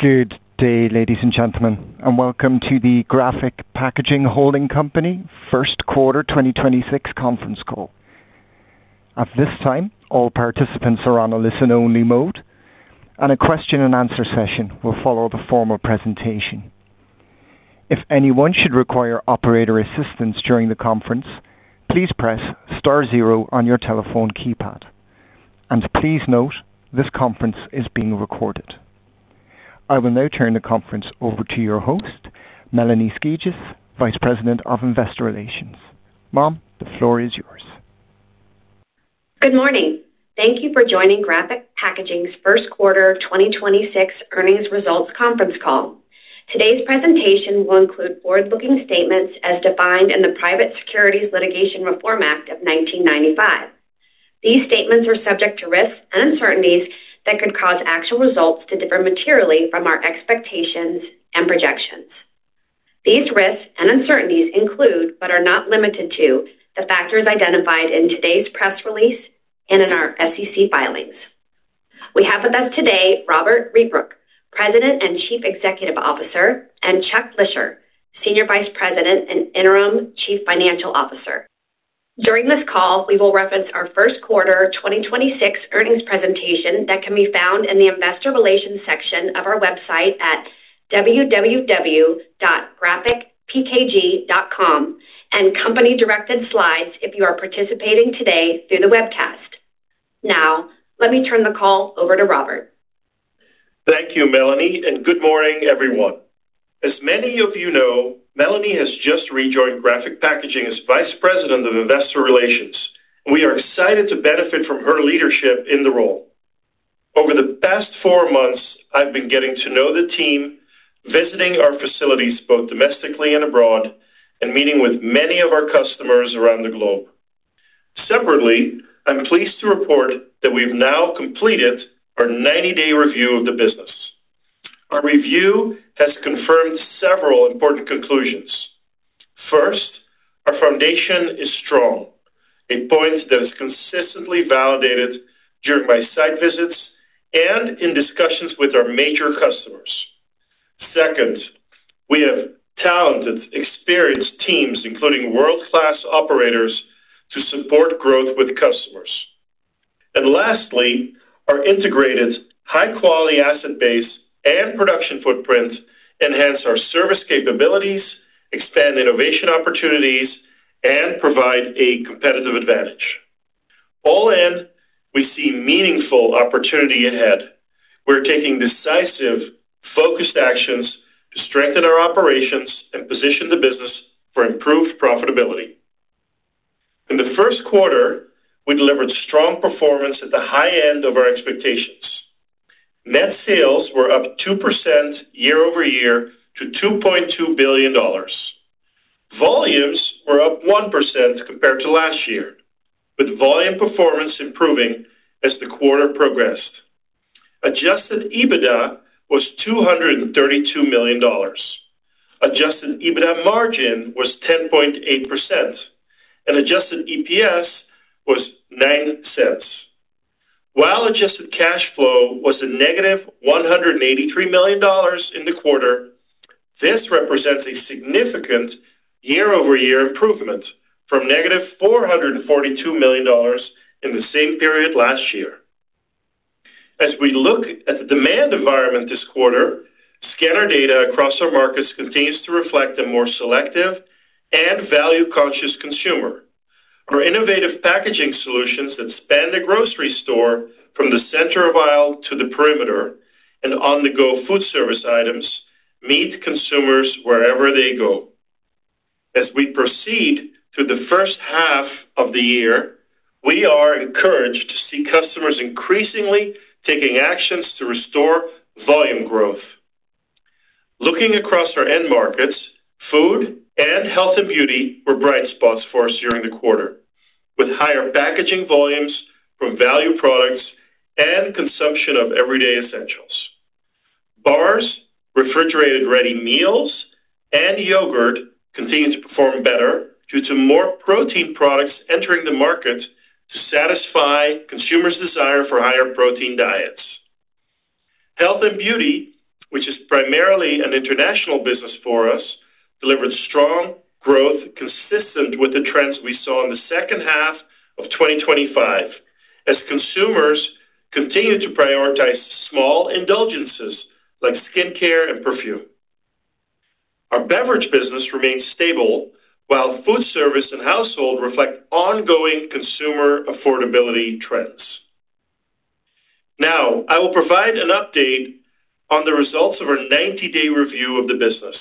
Good day, ladies and gentlemen, welcome to the Graphic Packaging Holding Company first quarter 2026 conference call. At this time, all participants are on a listen-only mode, and a question-and-answer session will follow the formal presentation. If anyone should require operator assistance during the conference, please press star zero on your telephone keypad. Please note this conference is being recorded. I will now turn the conference over to your host, Melanie Skijus, Vice President of Investor Relations. Ma'am, the floor is yours. Good morning. Thank you for joining Graphic Packaging's first quarter 2026 earnings results conference call. Today's presentation will include forward-looking statements as defined in the Private Securities Litigation Reform Act of 1995. These statements are subject to risks and uncertainties that could cause actual results to differ materially from our expectations and projections. These risks and uncertainties include, but are not limited to, the factors identified in today's press release and in our SEC filings. We have with us today Robbert Rietbroek, President and Chief Executive Officer, and Chuck Lischer, Senior Vice President and Interim Chief Financial Officer. During this call, we will reference our first quarter 2026 earnings presentation that can be found in the investor relations section of our website at www.graphicpkg.com and company-directed slides if you are participating today through the webcast. Now, let me turn the call over to Robbert. Thank you, Melanie. Good morning, everyone. As many of you know, Melanie has just rejoined Graphic Packaging as Vice President of Investor Relations. We are excited to benefit from her leadership in the role. Over the past four months, I've been getting to know the team, visiting our facilities both domestically and abroad, and meeting with many of our customers around the globe. Separately, I'm pleased to report that we've now completed our 90-day review of the business. Our review has confirmed several important conclusions. First, our foundation is strong, a point that is consistently validated during my site visits and in discussions with our major customers. Second, we have talented, experienced teams, including world-class operators, to support growth with customers. Lastly, our integrated high-quality asset base and production footprint enhance our service capabilities, expand innovation opportunities, and provide a competitive advantage. All in, we see meaningful opportunity ahead. We're taking decisive, focused actions to strengthen our operations and position the business for improved profitability. In the first quarter, we delivered strong performance at the high end of our expectations. Net sales were up 2% year-over-year to $2.2 billion. Volumes were up 1% compared to last year, with volume performance improving as the quarter progressed. Adjusted EBITDA was $232 million. Adjusted EBITDA margin was 10.8%, and adjusted EPS was $0.09. While adjusted cash flow was -$183 million in the quarter, this represents a significant year-over-year improvement from -$442 million in the same period last year. As we look at the demand environment this quarter, scanner data across our markets continues to reflect a more selective and value-conscious consumer. Our innovative packaging solutions that span the grocery store from the center aisle to the perimeter and on-the-go food service items meet consumers wherever they go. As we proceed through the first half of the year, we are encouraged to see customers increasingly taking actions to restore volume growth. Looking across our end markets, food and health and beauty were bright spots for us during the quarter, with higher packaging volumes from value products and consumption of everyday essentials. Bars, refrigerated ready meals, and yogurt continue to perform better due to more protein products entering the market to satisfy consumers' desire for higher protein diets. Health and beauty, which is primarily an international business for us, delivered strong growth consistent with the trends we saw in the second half of 2025 as consumers continued to prioritize small indulgences like skincare and perfume. Our beverage business remains stable while food service and household reflect ongoing consumer affordability trends. Now, I will provide an update on the results of our 90-day review of the business,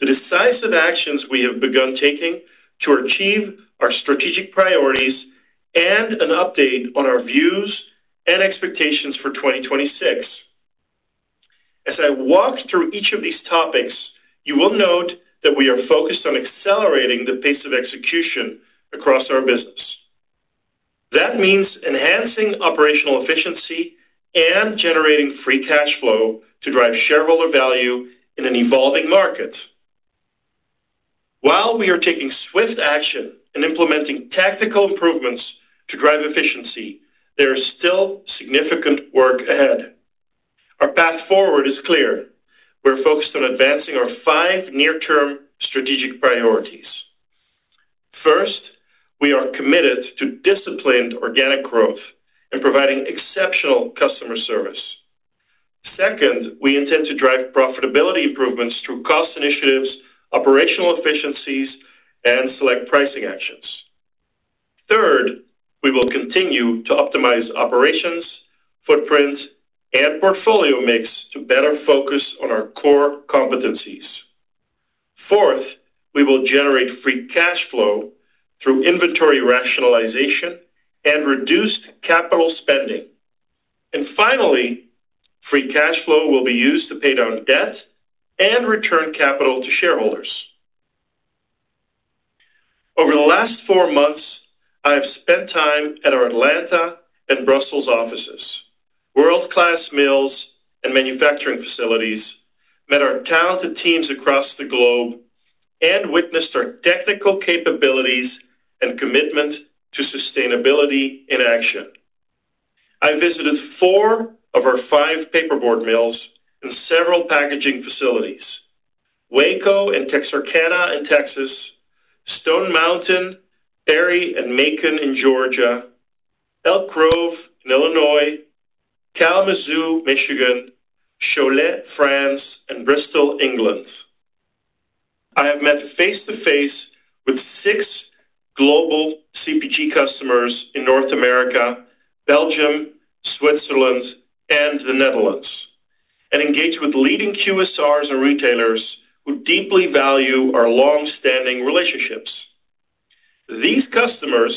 the decisive actions we have begun taking to achieve our strategic priorities, and an update on our views and expectations for 2026. As I walk through each of these topics, you will note that we are focused on accelerating the pace of execution across our business. That means enhancing operational efficiency and generating free cash flow to drive shareholder value in an evolving market. While we are taking swift action and implementing tactical improvements to drive efficiency, there is still significant work ahead. Our path forward is clear. We're focused on advancing our 5 near-term strategic priorities. First, we are committed to disciplined organic growth and providing exceptional customer service. Second, we intend to drive profitability improvements through cost initiatives, operational efficiencies, and select pricing actions. Third, we will continue to optimize operations, footprint, and portfolio mix to better focus on our core competencies. Fourth, we will generate free cash flow through inventory rationalization and reduced capital spending. Finally, free cash flow will be used to pay down debt and return capital to shareholders. Over the last four months, I have spent time at our Atlanta and Brussels offices, world-class mills, and manufacturing facilities, met our talented teams across the globe, and witnessed our technical capabilities and commitment to sustainability in action. I visited four of our five paperboard mills and several packaging facilities. Waco and Texarkana in Texas, Stone Mountain, Perry, and Macon in Georgia, Elk Grove in Illinois, Kalamazoo, Michigan, Cholet, France, and Bristol, England. I have met face-to-face with six global CPG customers in North America, Belgium, Switzerland, and the Netherlands, and engaged with leading QSRs and retailers who deeply value our long-standing relationships. These customers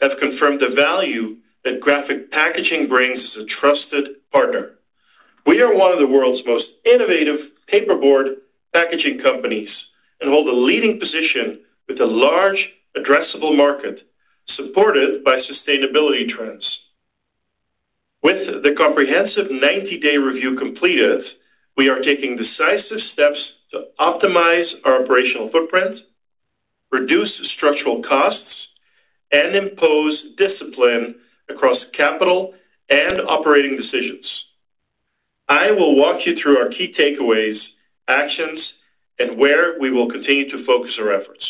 have confirmed the value that Graphic Packaging brings as a trusted partner. We are one of the world's most innovative paperboard packaging companies and hold a leading position with a large addressable market supported by sustainability trends. With the comprehensive 90-day review completed, we are taking decisive steps to optimize our operational footprint, reduce structural costs, and impose discipline across capital and operating decisions. I will walk you through our key takeaways, actions, and where we will continue to focus our efforts.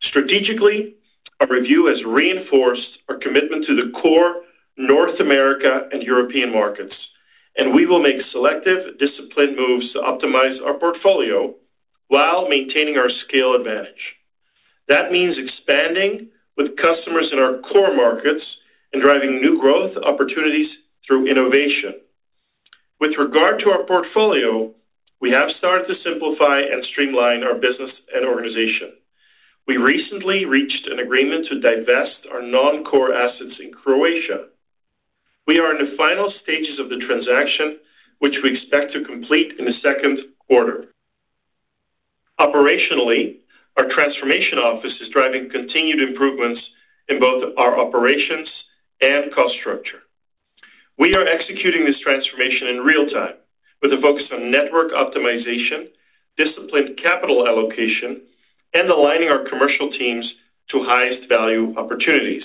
Strategically, our review has reinforced our commitment to the core North America and European markets, and we will make selective, disciplined moves to optimize our portfolio while maintaining our scale advantage. That means expanding with customers in our core markets and driving new growth opportunities through innovation. With regard to our portfolio, we have started to simplify and streamline our business and organization. We recently reached an agreement to divest our non-core assets in Croatia. We are in the final stages of the transaction, which we expect to complete in the second quarter. Operationally, our transformation office is driving continued improvements in both our operations and cost structure. We are executing this transformation in real time with a focus on network optimization, disciplined capital allocation, and aligning our commercial teams to highest value opportunities.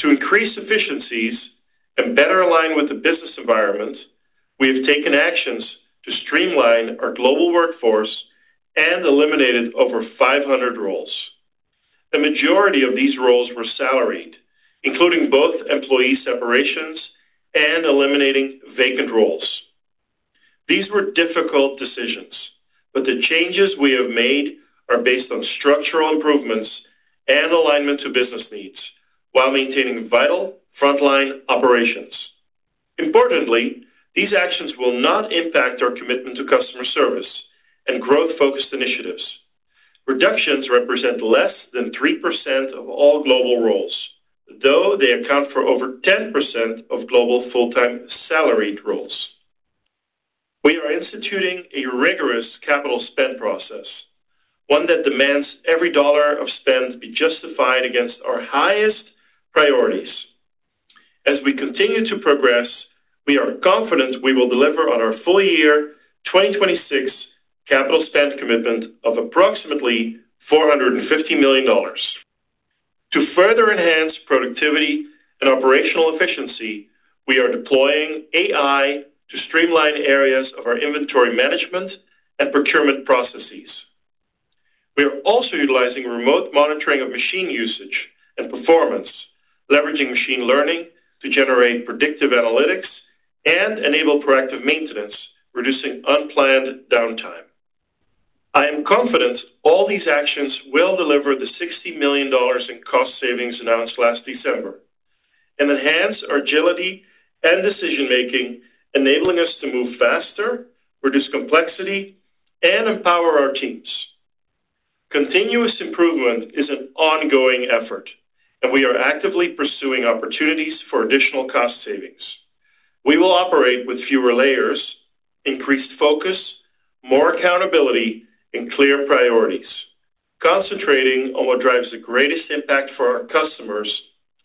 To increase efficiencies and better align with the business environment, we have taken actions to streamline our global workforce and eliminated over 500 roles. The majority of these roles were salaried, including both employee separations and eliminating vacant roles. These were difficult decisions, but the changes we have made are based on structural improvements and alignment to business needs while maintaining vital frontline operations. Importantly, these actions will not impact our commitment to customer service and growth-focused initiatives. Reductions represent less than 3% of all global roles, though they account for over 10% of global full-time salaried roles. We are instituting a rigorous capital spend process, one that demands every $1 of spend be justified against our highest priorities. As we continue to progress, we are confident we will deliver on our full-year 2026 capital spend commitment of approximately $450 million. To further enhance productivity and operational efficiency, we are deploying AI to streamline areas of our inventory management and procurement processes. We are also utilizing remote monitoring of machine usage and performance, leveraging machine learning to generate predictive analytics and enable proactive maintenance, reducing unplanned downtime. I am confident all these actions will deliver the $60 million in cost savings announced last December and enhance our agility and decision-making, enabling us to move faster, reduce complexity, and empower our teams. Continuous improvement is an ongoing effort. We are actively pursuing opportunities for additional cost savings. We will operate with fewer layers, increased focus, more accountability, and clear priorities, concentrating on what drives the greatest impact for our customers,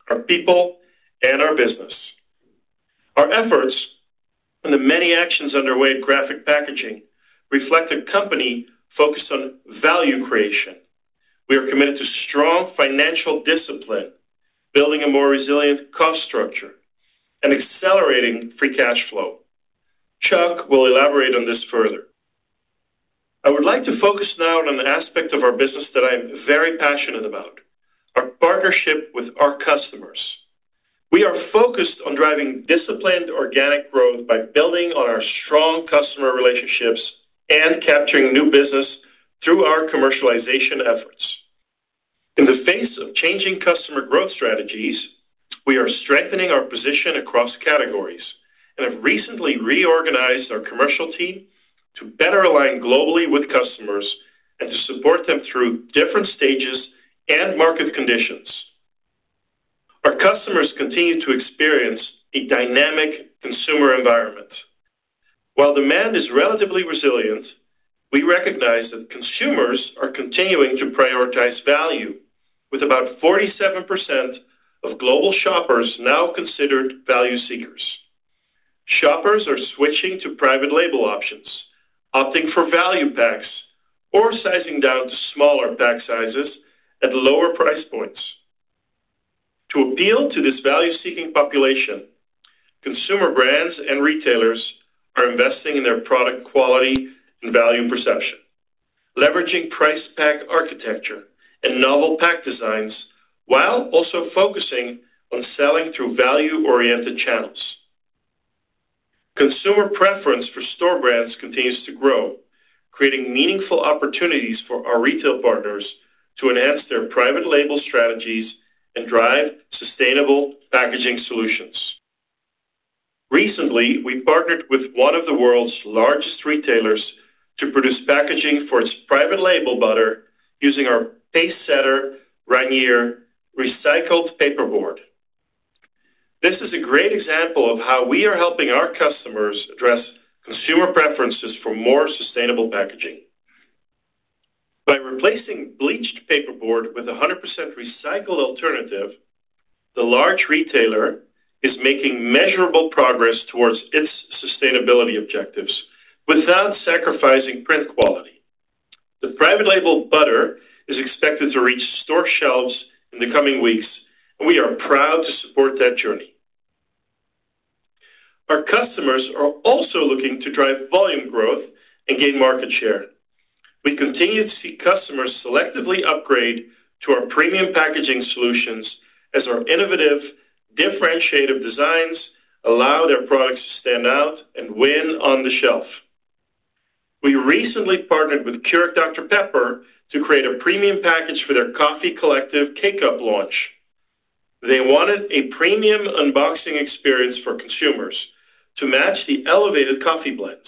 our people, and our business. Our efforts and the many actions underway at Graphic Packaging reflect a company focused on value creation. We are committed to strong financial discipline, building a more resilient cost structure, and accelerating free cash flow. Chuck will elaborate on this further. I would like to focus now on an aspect of our business that I am very passionate about, our partnership with our customers. We are focused on driving disciplined organic growth by building on our strong customer relationships and capturing new business through our commercialization efforts. In the face of changing customer growth strategies, we are strengthening our position across categories and have recently reorganized our commercial team to better align globally with customers and to support them through different stages and market conditions. Our customers continue to experience a dynamic consumer environment. While demand is relatively resilient, we recognize that consumers are continuing to prioritize value, with about 47% of global shoppers now considered value seekers. Shoppers are switching to private label options, opting for value packs or sizing down to smaller pack sizes at lower price points. To appeal to this value-seeking population, consumer brands and retailers are investing in their product quality and value perception, leveraging price pack architecture and novel pack designs while also focusing on selling through value-oriented channels. Consumer preference for store brands continues to grow, creating meaningful opportunities for our retail partners to enhance their private label strategies and drive sustainable packaging solutions. Recently, we partnered with one of the world's largest retailers to produce packaging for its private label butter using our PaceSetter Rainier recycled paperboard. This is a great example of how we are helping our customers address consumer preferences for more sustainable packaging. By replacing bleached paperboard with 100% recycled alternative, the large retailer is making measurable progress towards its sustainability objectives without sacrificing print quality. The private label butter is expected to reach store shelves in the coming weeks, and we are proud to support that journey. Our customers are also looking to drive volume growth and gain market share. We continue to see customers selectively upgrade to our premium packaging solutions as our innovative, differentiated designs allow their products to stand out and win on the shelf. We recently partnered with Keurig Dr Pepper to create a premium package for their Coffee Collective Wake-Up launch. They wanted a premium unboxing experience for consumers to match the elevated coffee blends.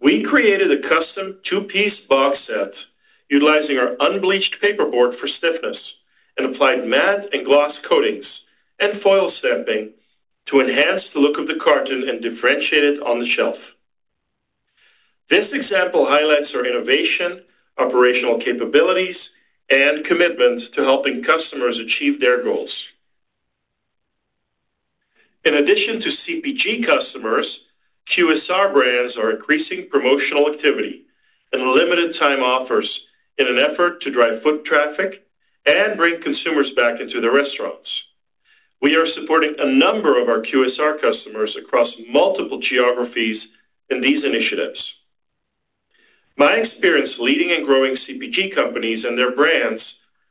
We created a custom two-piece box set utilizing our unbleached paperboard for stiffness and applied matte and gloss coatings and foil stamping to enhance the look of the carton and differentiate it on the shelf. This example highlights our innovation, operational capabilities, and commitment to helping customers achieve their goals. In addition to CPG customers, QSR brands are increasing promotional activity and limited time offers in an effort to drive foot traffic and bring consumers back into the restaurants. We are supporting a number of our QSR customers across multiple geographies in these initiatives. My experience leading and growing CPG companies and their brands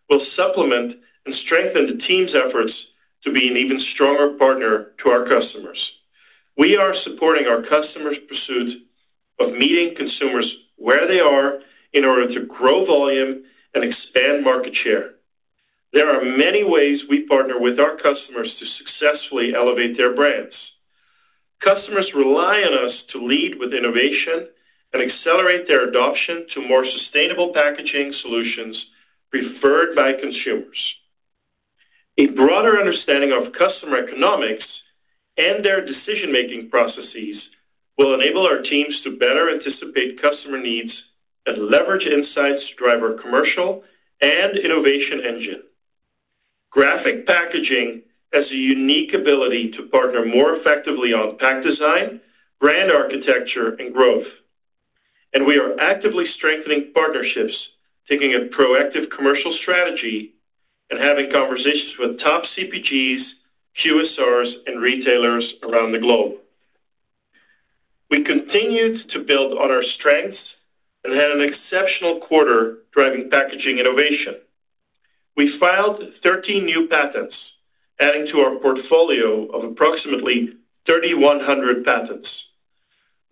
will supplement and strengthen the team's efforts to be an even stronger partner to our customers. We are supporting our customers' pursuit of meeting consumers where they are in order to grow volume and expand market share. There are many ways we partner with our customers to successfully elevate their brands. Customers rely on us to lead with innovation and accelerate their adoption to more sustainable packaging solutions preferred by consumers. A broader understanding of customer economics and their decision-making processes will enable our teams to better anticipate customer needs and leverage insights to drive our commercial and innovation engine. Graphic Packaging has a unique ability to partner more effectively on pack design, brand architecture, and growth, and we are actively strengthening partnerships, taking a proactive commercial strategy and having conversations with top CPGs, QSRs, and retailers around the globe. We continued to build on our strengths and had an exceptional quarter driving packaging innovation. We filed 13 new patents, adding to our portfolio of approximately 3,100 patents.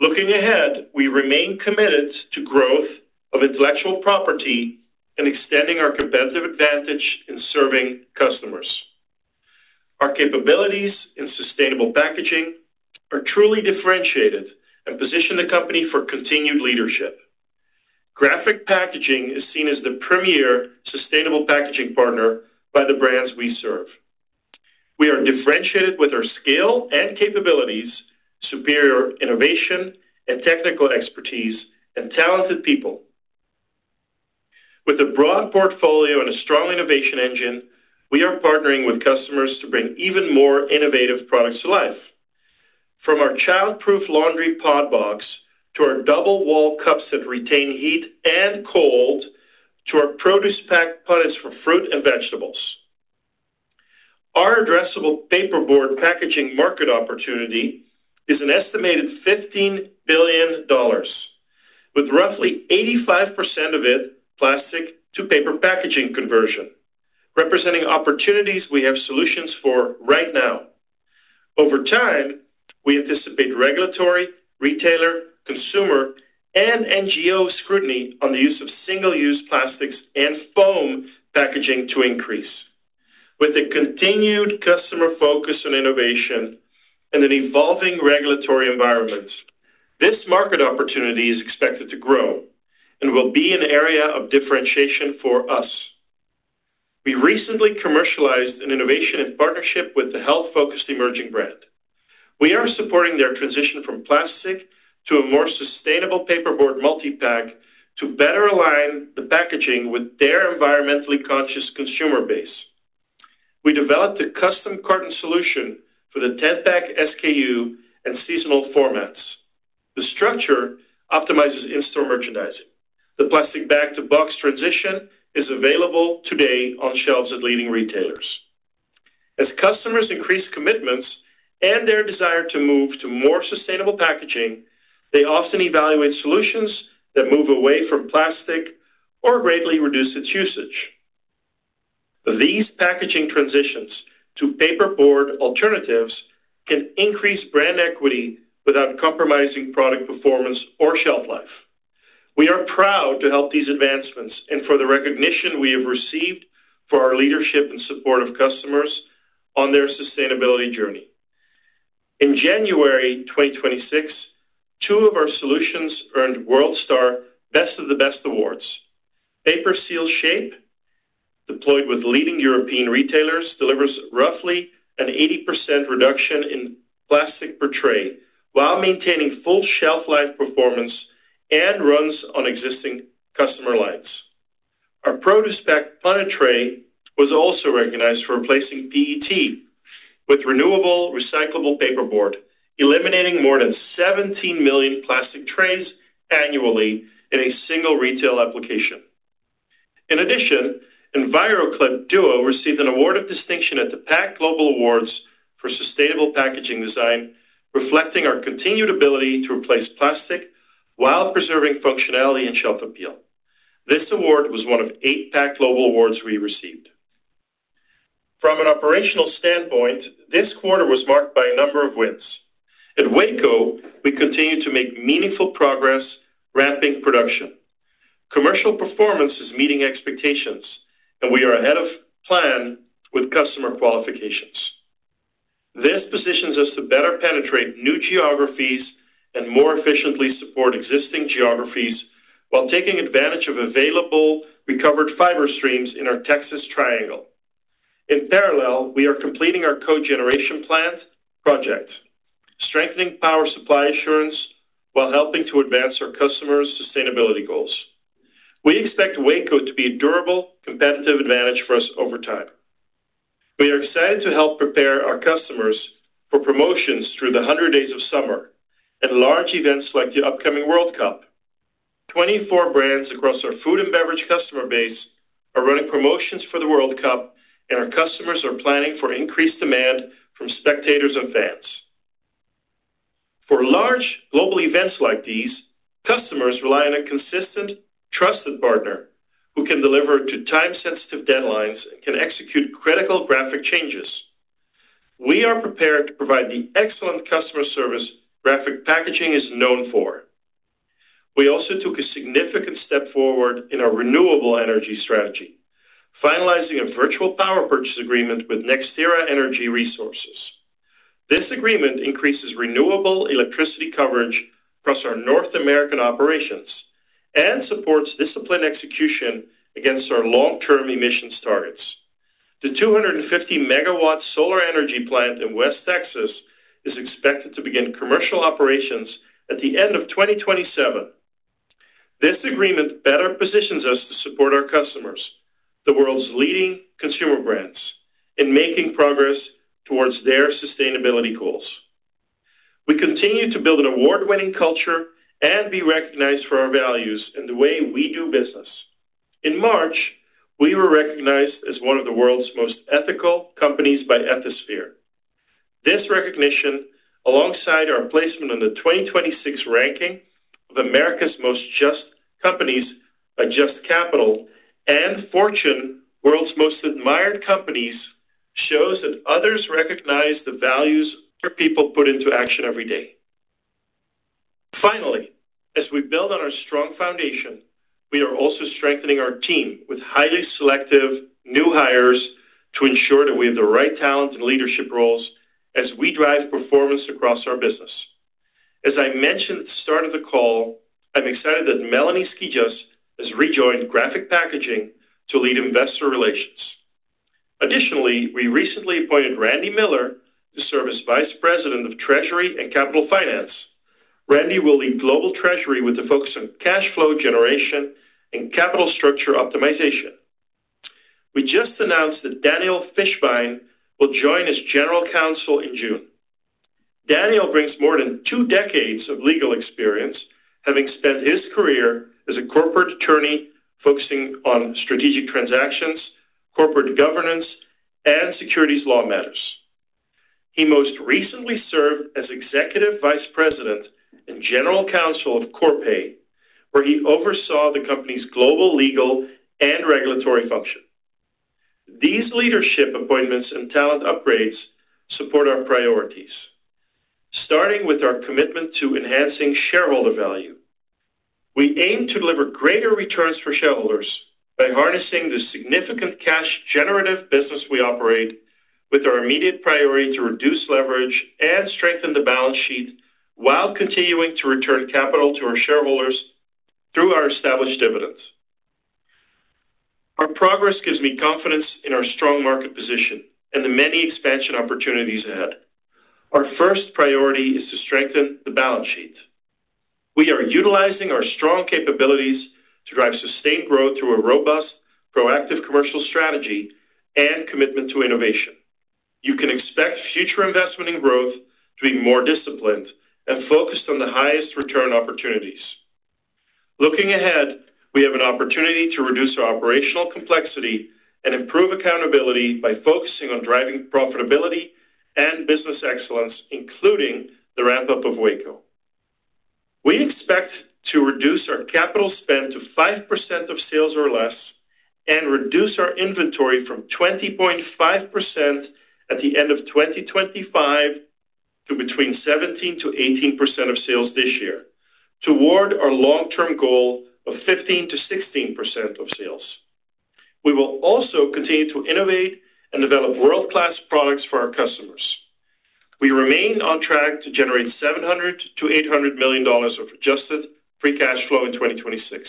Looking ahead, we remain committed to growth of intellectual property and extending our competitive advantage in serving customers. Our capabilities in sustainable packaging are truly differentiated and position the company for continued leadership. Graphic Packaging is seen as the premier sustainable packaging partner by the brands we serve. We are differentiated with our scale and capabilities, superior innovation and technical expertise, and talented people. With a broad portfolio and a strong innovation engine, we are partnering with customers to bring even more innovative products to life. From our childproof laundry pod box to our double wall cups that retain heat and cold, to our ProducePack punnets for fruit and vegetables. Our addressable paperboard packaging market opportunity is an estimated $15 billion, with roughly 85% of it plastic to paper packaging conversion, representing opportunities we have solutions for right now. Over time, we anticipate regulatory, retailer, consumer, and NGO scrutiny on the use of single-use plastics and foam packaging to increase. With a continued customer focus on innovation and an evolving regulatory environment, this market opportunity is expected to grow and will be an area of differentiation for us. We recently commercialized an innovation and partnership with the health-focused emerging brand. We are supporting their transition from plastic to a more sustainable paperboard multi-pack to better align the packaging with their environmentally conscious consumer base. We developed a custom carton solution for the 10-pack SKU and seasonal formats. The structure optimizes in-store merchandising. The plastic bag to box transition is available today on shelves at leading retailers. As customers increase commitments and their desire to move to more sustainable packaging, they often evaluate solutions that move away from plastic or greatly reduce its usage. These packaging transitions to paperboard alternatives can increase brand equity without compromising product performance or shelf life. We are proud to help these advancements and for the recognition we have received for our leadership and support of customers on their sustainability journey. In January 2026, two of our solutions earned Worldstar Best of the Best awards. PaperSeal Shape, deployed with leading European retailers, delivers roughly an 80% reduction in plastic per tray while maintaining full shelf life performance and runs on existing customer lines. Our ProducePack Punnet tray was also recognized for replacing PET with renewable, recyclable paperboard, eliminating more than 17 million plastic trays annually in a single retail application. In addition, EnviroClip Duo received an award of distinction at the PAC Global Awards for sustainable packaging design, reflecting our continued ability to replace plastic while preserving functionality and shelf appeal. This award was one of eight PAC Global awards we received. From an operational standpoint, this quarter was marked by a number of wins. At Waco, we continue to make meaningful progress ramping production. Commercial performance is meeting expectations, and we are ahead of plan with customer qualifications. This positions us to better penetrate new geographies and more efficiently support existing geographies while taking advantage of available recovered fiber streams in our Texas triangle. In parallel, we are completing our cogeneration plant project, strengthening power supply assurance while helping to advance our customers' sustainability goals. We expect Waco to be a durable, competitive advantage for us over time. We are excited to help prepare our customers for promotions through the 100 days of summer and large events like the upcoming World Cup. 24 brands across our food and beverage customer base are running promotions for the World Cup, and our customers are planning for increased demand from spectators and fans. For large global events like these, customers rely on a consistent, trusted partner who can deliver to time-sensitive deadlines and can execute critical graphic changes. We are prepared to provide the excellent customer service Graphic Packaging is known for. We also took a significant step forward in our renewable energy strategy, finalizing a virtual power purchase agreement with NextEra Energy Resources. This agreement increases renewable electricity coverage across our North American operations and supports disciplined execution against our long-term emissions targets. The 250 megawatt solar energy plant in West Texas is expected to begin commercial operations at the end of 2027. This agreement better positions us to support our customers, the world's leading consumer brands, in making progress towards their sustainability goals. We continue to build an award-winning culture and be recognized for our values and the way we do business. In March, we were recognized as one of the world's most ethical companies by Ethisphere. This recognition, alongside our placement in the 2026 ranking of America's Most Just Companies by Just Capital and Fortune World's Most Admired Companies, shows that others recognize the values our people put into action every day. As we build on our strong foundation, we are also strengthening our team with highly selective new hires to ensure that we have the right talent and leadership roles as we drive performance across our business. As I mentioned at the start of the call, I'm excited that Melanie Skijus has rejoined Graphic Packaging to lead investor relations. Additionally, we recently appointed Randy Miller to serve as Vice President of Treasury and Capital Finance. Randy will lead global treasury with a focus on cash flow generation and capital structure optimization. We just announced that Daniel Fishbein will join as General Counsel in June. Daniel brings more than two decades of legal experience, having spent his career as a corporate attorney focusing on strategic transactions, corporate governance, and securities law matters. He most recently served as Executive Vice President and General Counsel of Corpay, where he oversaw the company's global legal and regulatory function. These leadership appointments and talent upgrades support our priorities, starting with our commitment to enhancing shareholder value. We aim to deliver greater returns for shareholders by harnessing the significant cash generative business we operate with our immediate priority to reduce leverage and strengthen the balance sheet while continuing to return capital to our shareholders through our established dividends. Our progress gives me confidence in our strong market position and the many expansion opportunities ahead. Our first priority is to strengthen the balance sheet. We are utilizing our strong capabilities to drive sustained growth through a robust, proactive commercial strategy and commitment to innovation. You can expect future investment in growth to be more disciplined and focused on the highest return opportunities. Looking ahead, we have an opportunity to reduce our operational complexity and improve accountability by focusing on driving profitability and business excellence, including the ramp-up of Waco. We expect to reduce our capital spend to 5% of sales or less and reduce our inventory from 20.5% at the end of 2025 to between 17%-18% of sales this year toward our long-term goal of 15%-16% of sales. We will also continue to innovate and develop world-class products for our customers. We remain on track to generate $700 million-$800 million of adjusted free cash flow in 2026.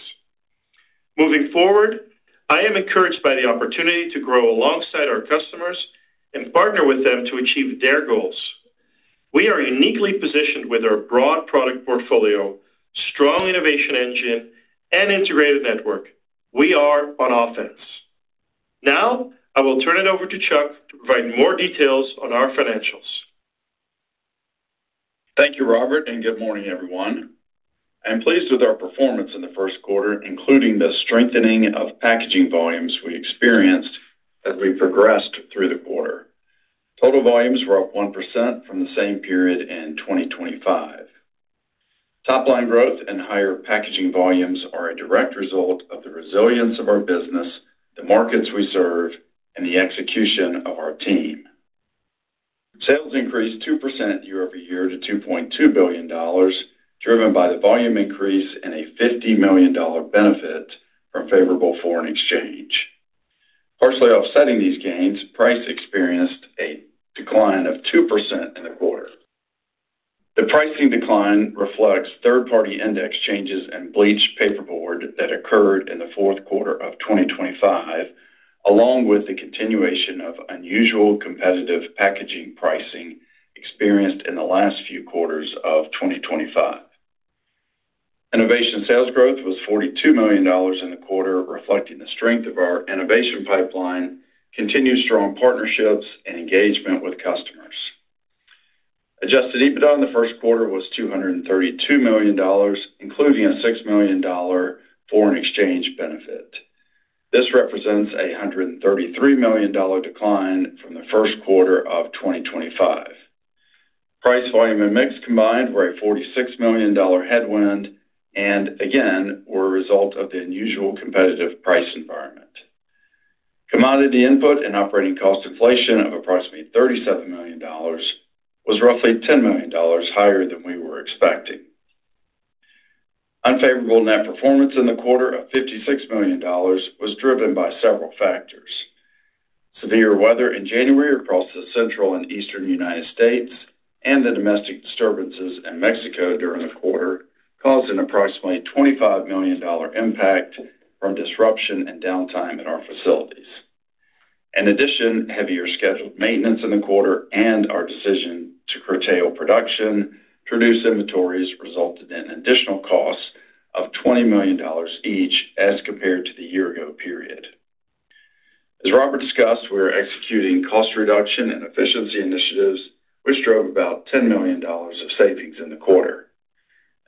Moving forward, I am encouraged by the opportunity to grow alongside our customers and partner with them to achieve their goals. We are uniquely positioned with our broad product portfolio, strong innovation engine, and integrated network. We are on offense. Now, I will turn it over to Chuck to provide more details on our financials. Thank you, Robbert, and good morning, everyone. I'm pleased with our performance in the first quarter, including the strengthening of packaging volumes we experienced as we progressed through the quarter. Total volumes were up 1% from the same period in 2025. Top line growth and higher packaging volumes are a direct result of the resilience of our business, the markets we serve, and the execution of our team. Sales increased 2% year-over-year to $2.2 billion, driven by the volume increase and a $50 million benefit from favorable foreign exchange. Partially offsetting these gains, price experienced a decline of 2% in the quarter. The pricing decline reflects third-party index changes in bleached paperboard that occurred in the fourth quarter of 2025, along with the continuation of unusual competitive packaging pricing experienced in the last few quarters of 2025. Innovation sales growth was $42 million in the quarter, reflecting the strength of our innovation pipeline, continued strong partnerships, and engagement with customers. Adjusted EBITDA in the first quarter was $232 million, including a $6 million foreign exchange benefit. This represents a $133 million decline from the first quarter of 2025. Price, volume, and mix combined were a $46 million headwind and, again, were a result of the unusual competitive price environment. Commodity input and operating cost inflation of approximately $37 million was roughly $10 million higher than we were expecting. Unfavorable net performance in the quarter of $56 million was driven by several factors. Severe weather in January across the central and eastern U.S. and the domestic disturbances in Mexico during the quarter caused an approximately $25 million impact from disruption and downtime at our facilities. In addition, heavier scheduled maintenance in the quarter and our decision to curtail production to reduce inventories resulted in additional costs of $20 million each as compared to the year-ago period. As Robbert discussed, we are executing cost reduction and efficiency initiatives, which drove about $10 million of savings in the quarter.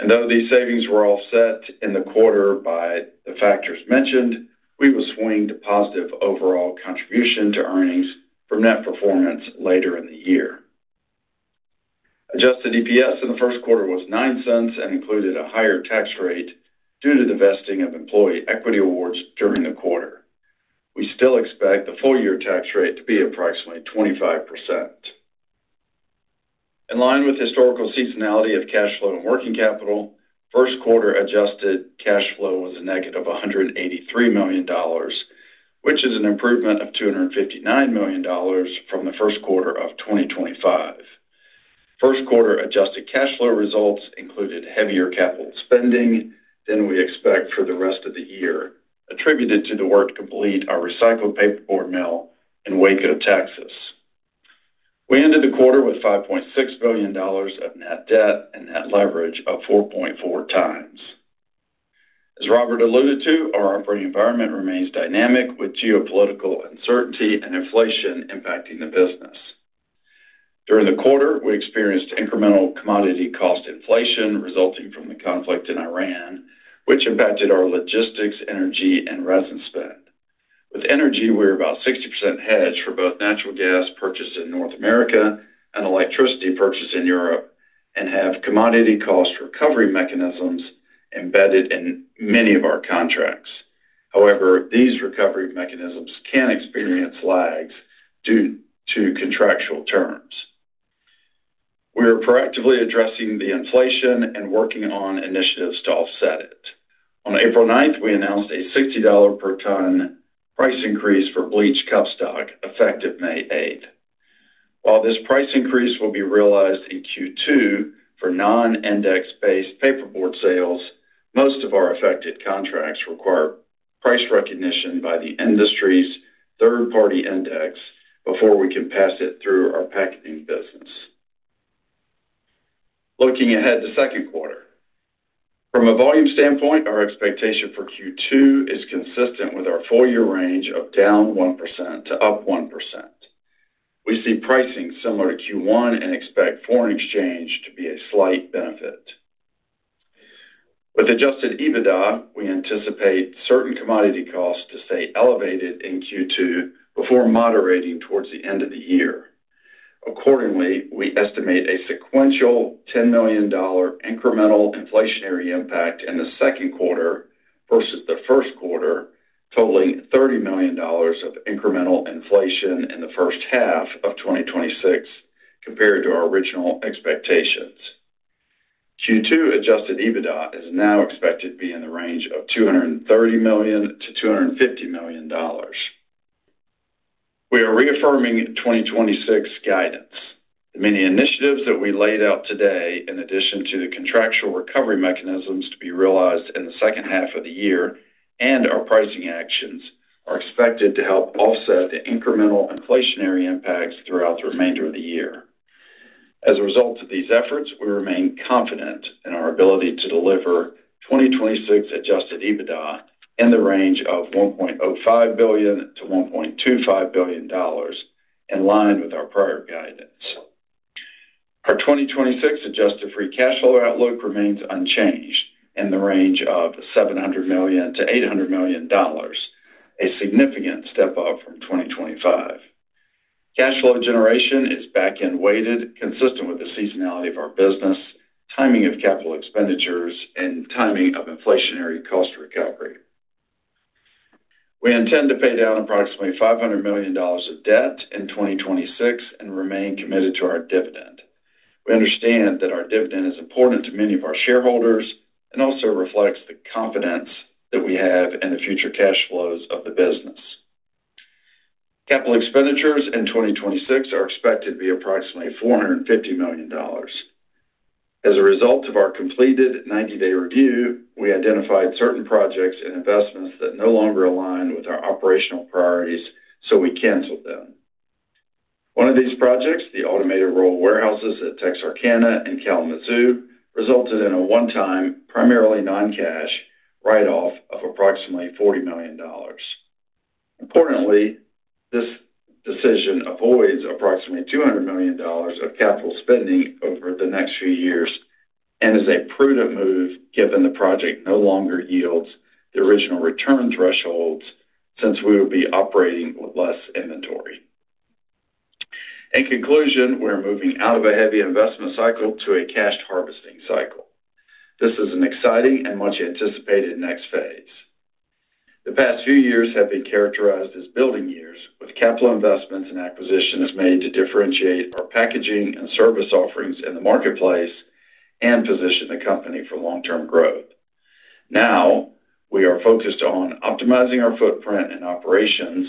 Though these savings were offset in the quarter by the factors mentioned, we will swing to positive overall contribution to earnings from net performance later in the year. Adjusted EPS in the first quarter was $0.09 and included a higher tax rate due to the vesting of employee equity awards during the quarter. We still expect the full year tax rate to be approximately 25%. In line with historical seasonality of cash flow and working capital, first quarter adjusted cash flow was a negative of $183 million, which is an improvement of $259 million from the first quarter of 2025. First quarter adjusted cash flow results included heavier capital spending than we expect for the rest of the year, attributed to the work to complete our recycled paperboard mill in Waco, Texas. We ended the quarter with $5.6 billion of net debt and net leverage of 4.4x. As Robbert alluded to, our operating environment remains dynamic, with geopolitical uncertainty and inflation impacting the business. During the quarter, we experienced incremental commodity cost inflation resulting from the conflict in Iran, which impacted our logistics, energy, and resin spend. With energy, we're about 60% hedged for both natural gas purchased in North America and electricity purchased in Europe and have commodity cost recovery mechanisms embedded in many of our contracts. However, these recovery mechanisms can experience lags due to contractual terms. We are proactively addressing the inflation and working on initiatives to offset it. On April ninth, we announced a $60 per ton price increase for bleached cup stock, effective May eighth. While this price increase will be realized in Q2 for non-index-based paperboard sales, most of our affected contracts require price recognition by the industry's third-party index before we can pass it through our packaging business. Looking ahead to second quarter. From a volume standpoint, our expectation for Q2 is consistent with our full year range of down 1% to up 1%. We see pricing similar to Q1 and expect foreign exchange to be a slight benefit. With adjusted EBITDA, we anticipate certain commodity costs to stay elevated in Q2 before moderating towards the end of the year. Accordingly, we estimate a sequential $10 million incremental inflationary impact in the second quarter versus the first quarter, totaling $30 million of incremental inflation in the first half of 2026 compared to our original expectations. Q2 adjusted EBITDA is now expected to be in the range of $230 million-$250 million. We are reaffirming 2026 guidance. The many initiatives that we laid out today, in addition to the contractual recovery mechanisms to be realized in the second half of the year and our pricing actions, are expected to help offset the incremental inflationary impacts throughout the remainder of the year. As a result of these efforts, we remain confident in our ability to deliver 2026 adjusted EBITDA in the range of $1.05 billion-$1.25 billion, in line with our prior guidance. Our 2026 adjusted free cash flow outlook remains unchanged in the range of $700 million-$800 million, a significant step-up from 2025. Cash flow generation is back-end weighted, consistent with the seasonality of our business, timing of capital expenditures, and timing of inflationary cost recovery. We intend to pay down approximately $500 million of debt in 2026 and remain committed to our dividend. We understand that our dividend is important to many of our shareholders and also reflects the confidence that we have in the future cash flows of the business. Capital expenditures in 2026 are expected to be approximately $450 million. As a result of our completed 90-day review, we identified certain projects and investments that no longer align with our operational priorities. We canceled them. One of these projects, the automated roll warehouses at Texarkana and Kalamazoo, resulted in a one-time, primarily non-cash write-off of approximately $40 million. Importantly, this decision avoids approximately $200 million of capital spending over the next few years and is a prudent move given the project no longer yields the original return thresholds since we will be operating with less inventory. In conclusion, we're moving out of a heavy investment cycle to a cash harvesting cycle. This is an exciting and much anticipated next phase. The past few years have been characterized as building years, with capital investments and acquisitions made to differentiate our packaging and service offerings in the marketplace and position the company for long-term growth. We are focused on optimizing our footprint and operations,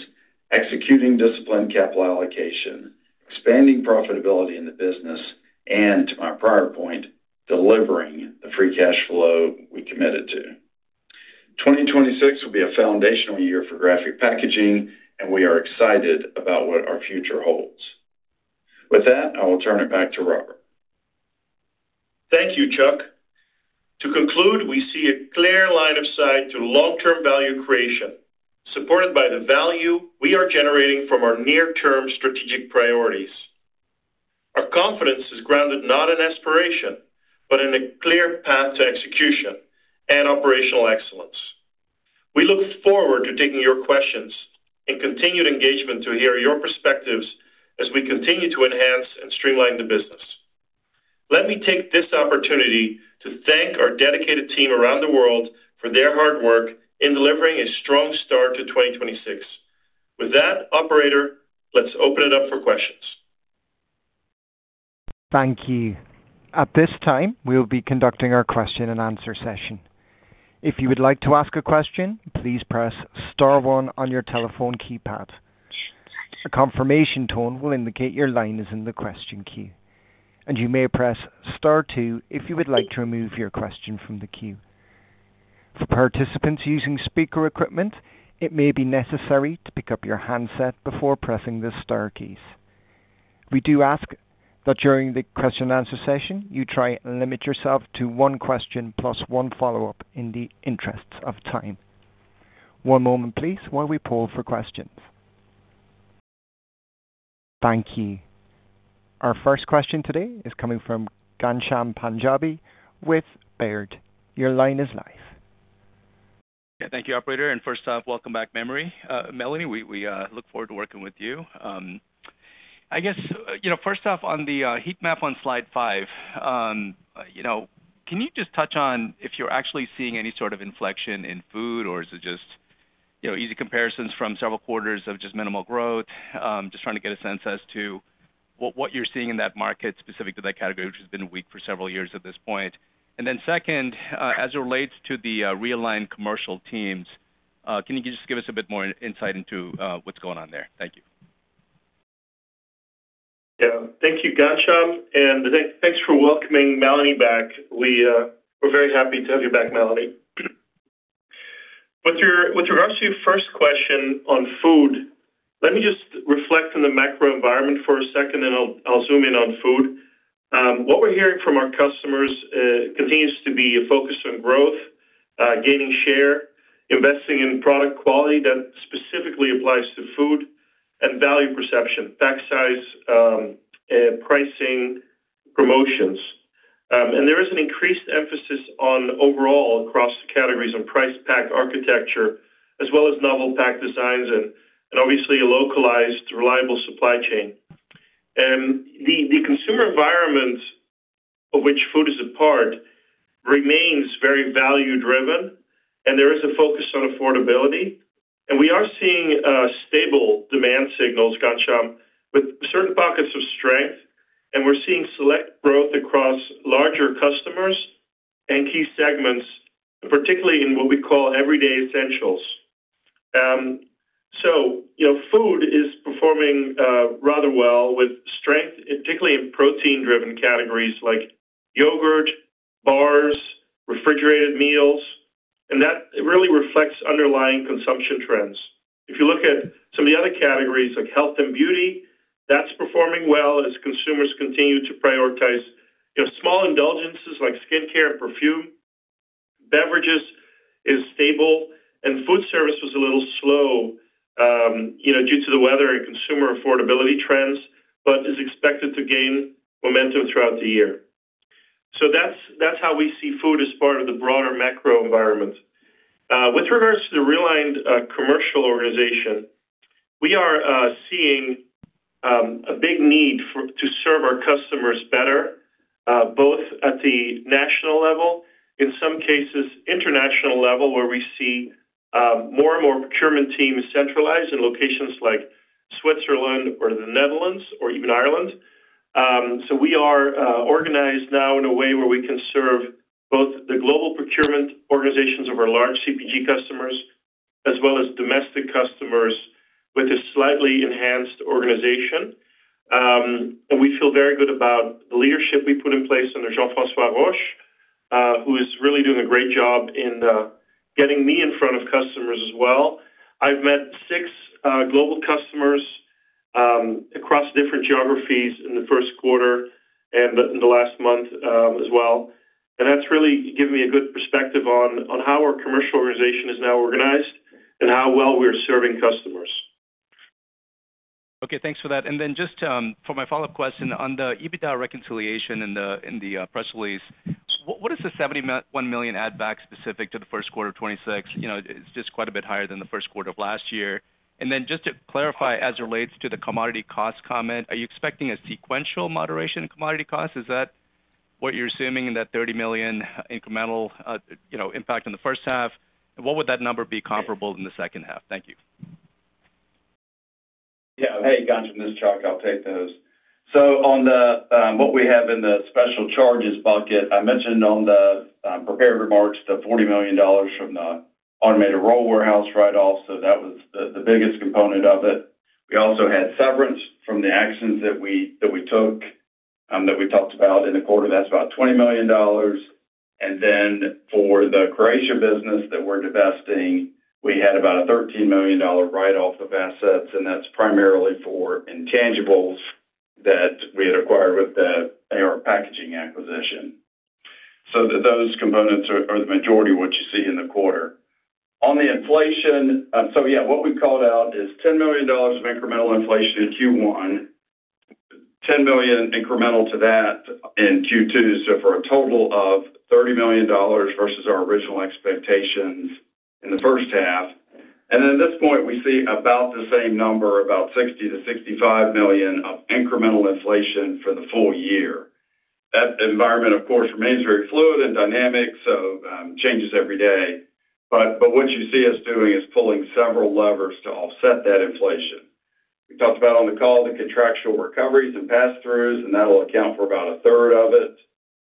executing disciplined capital allocation, expanding profitability in the business, and to my prior point, delivering the free cash flow we committed to. 2026 will be a foundational year for Graphic Packaging. We are excited about what our future holds. With that, I will turn it back to Robbert. Thank you, Chuck. To conclude, we see a clear line of sight to long-term value creation, supported by the value we are generating from our near-term strategic priorities. Our confidence is grounded not in aspiration, but in a clear path to execution and operational excellence. We look forward to taking your questions and continued engagement to hear your perspectives as we continue to enhance and streamline the business. Let me take this opportunity to thank our dedicated team around the world for their hard work in delivering a strong start to 2026. With that, operator, let's open it up for questions. Thank you. At this time, we'll be conducting our question and answer session. If you would like to ask a question, please press star one on your telephone keypad. A confirmation tone will indicate your line is in the question queue, and you may press star two if you would like to remove your question from the queue. For participants using speaker equipment, it may be necessary to pick up your handset before pressing the star keys. We do ask that during the question and answer session, you try and limit yourself to one question plus one follow-up in the interest of time. one moment please while we poll for questions. Thank you. Our first question today is coming from Ghansham Panjabi with Baird. Your line is live. Yeah, thank you, operator. First off, welcome back, Melanie. We look forward to working with you. I guess, you know, first off on the heat map on slide five, you know, can you just touch on if you're actually seeing any sort of inflection in food or is it just, you know, easy comparisons from several quarters of just minimal growth? Just trying to get a sense as to what you're seeing in that market specific to that category, which has been weak for several years at this point. Then second, as it relates to the realigned commercial teams, can you just give us a bit more insight into what's going on there? Thank you. Thank you, Ghansham. Thanks for welcoming Melanie back. We're very happy to have you back, Melanie. With regards to your first question on food, let me just reflect on the macro environment for a second, and I'll zoom in on food. What we're hearing from our customers continues to be a focus on growth, gaining share, investing in product quality that specifically applies to food and value perception, pack size, pricing, promotions. There is an increased emphasis on overall across the categories on price pack architecture as well as novel pack designs and obviously a localized, reliable supply chain. The consumer environment of which food is a part remains very value-driven, there is a focus on affordability. We are seeing stable demand signals, Ghansham, with certain pockets of strength, and we're seeing select growth across larger customers and key segments, particularly in what we call everyday essentials. You know, food is performing rather well with strength, particularly in protein-driven categories like yogurt, bars, refrigerated meals, and that really reflects underlying consumption trends. If you look at some of the other categories like health and beauty, that's performing well as consumers continue to prioritize, you know, small indulgences like skincare and perfume. Beverages is stable, and food service was a little slow, you know, due to the weather and consumer affordability trends, but is expected to gain momentum throughout the year. That's, that's how we see food as part of the broader macro environment. With regards to the realigned commercial organization, we are seeing a big need to serve our customers better, both at the national level, in some cases international level, where we see more and more procurement teams centralized in locations like Switzerland or the Netherlands or even Ireland. So we are organized now in a way where we can serve both the global procurement organizations of our large CPG customers as well as domestic customers with a slightly enhanced organization. And we feel very good about the leadership we put in place under Jean-François Roche, who is really doing a great job in getting me in front of customers as well. I've met six global customers across different geographies in the fist quarter and the last month as well. That's really given me a good perspective on how our commercial organization is now organized and how well we're serving customers. Okay, thanks for that. Then just for my follow-up question on the EBITDA reconciliation in the press release, what is the $71 million add back specific to the first quarter of 2026? You know, it's just quite a bit higher than the first quarter of last year. Then just to clarify, as it relates to the commodity cost comment, are you expecting a sequential moderation in commodity costs? Is that what you're assuming in that $30 million incremental, you know, impact in the first half? What would that number be comparable in the second half? Thank you. Hey, Ghansham, this is Chuck. I'll take those. On the, what we have in the special charges bucket, I mentioned on the prepared remarks, the $40 million from the automated roll warehouse write-off. That was the biggest component of it. We also had severance from the actions that we took, that we talked about in the quarter. That's about $20 million. For the Croatia business that we're divesting, we had about a $13 million write-off of assets, and that's primarily for intangibles that we had acquired with that AR Packaging acquisition. Those components are the majority of what you see in the quarter. On the inflation, what we called out is $10 million of incremental inflation in Q1, $10 million incremental to that in Q2, for a total of $30 million versus our original expectations in the first half. At this point, we see about the same number, about $60 million-$65 million of incremental inflation for the full year. That environment, of course, remains very fluid and dynamic, changes every day. What you see us doing is pulling several levers to offset that inflation. We talked about on the call the contractual recoveries and passthroughs, that'll account for about a third of it.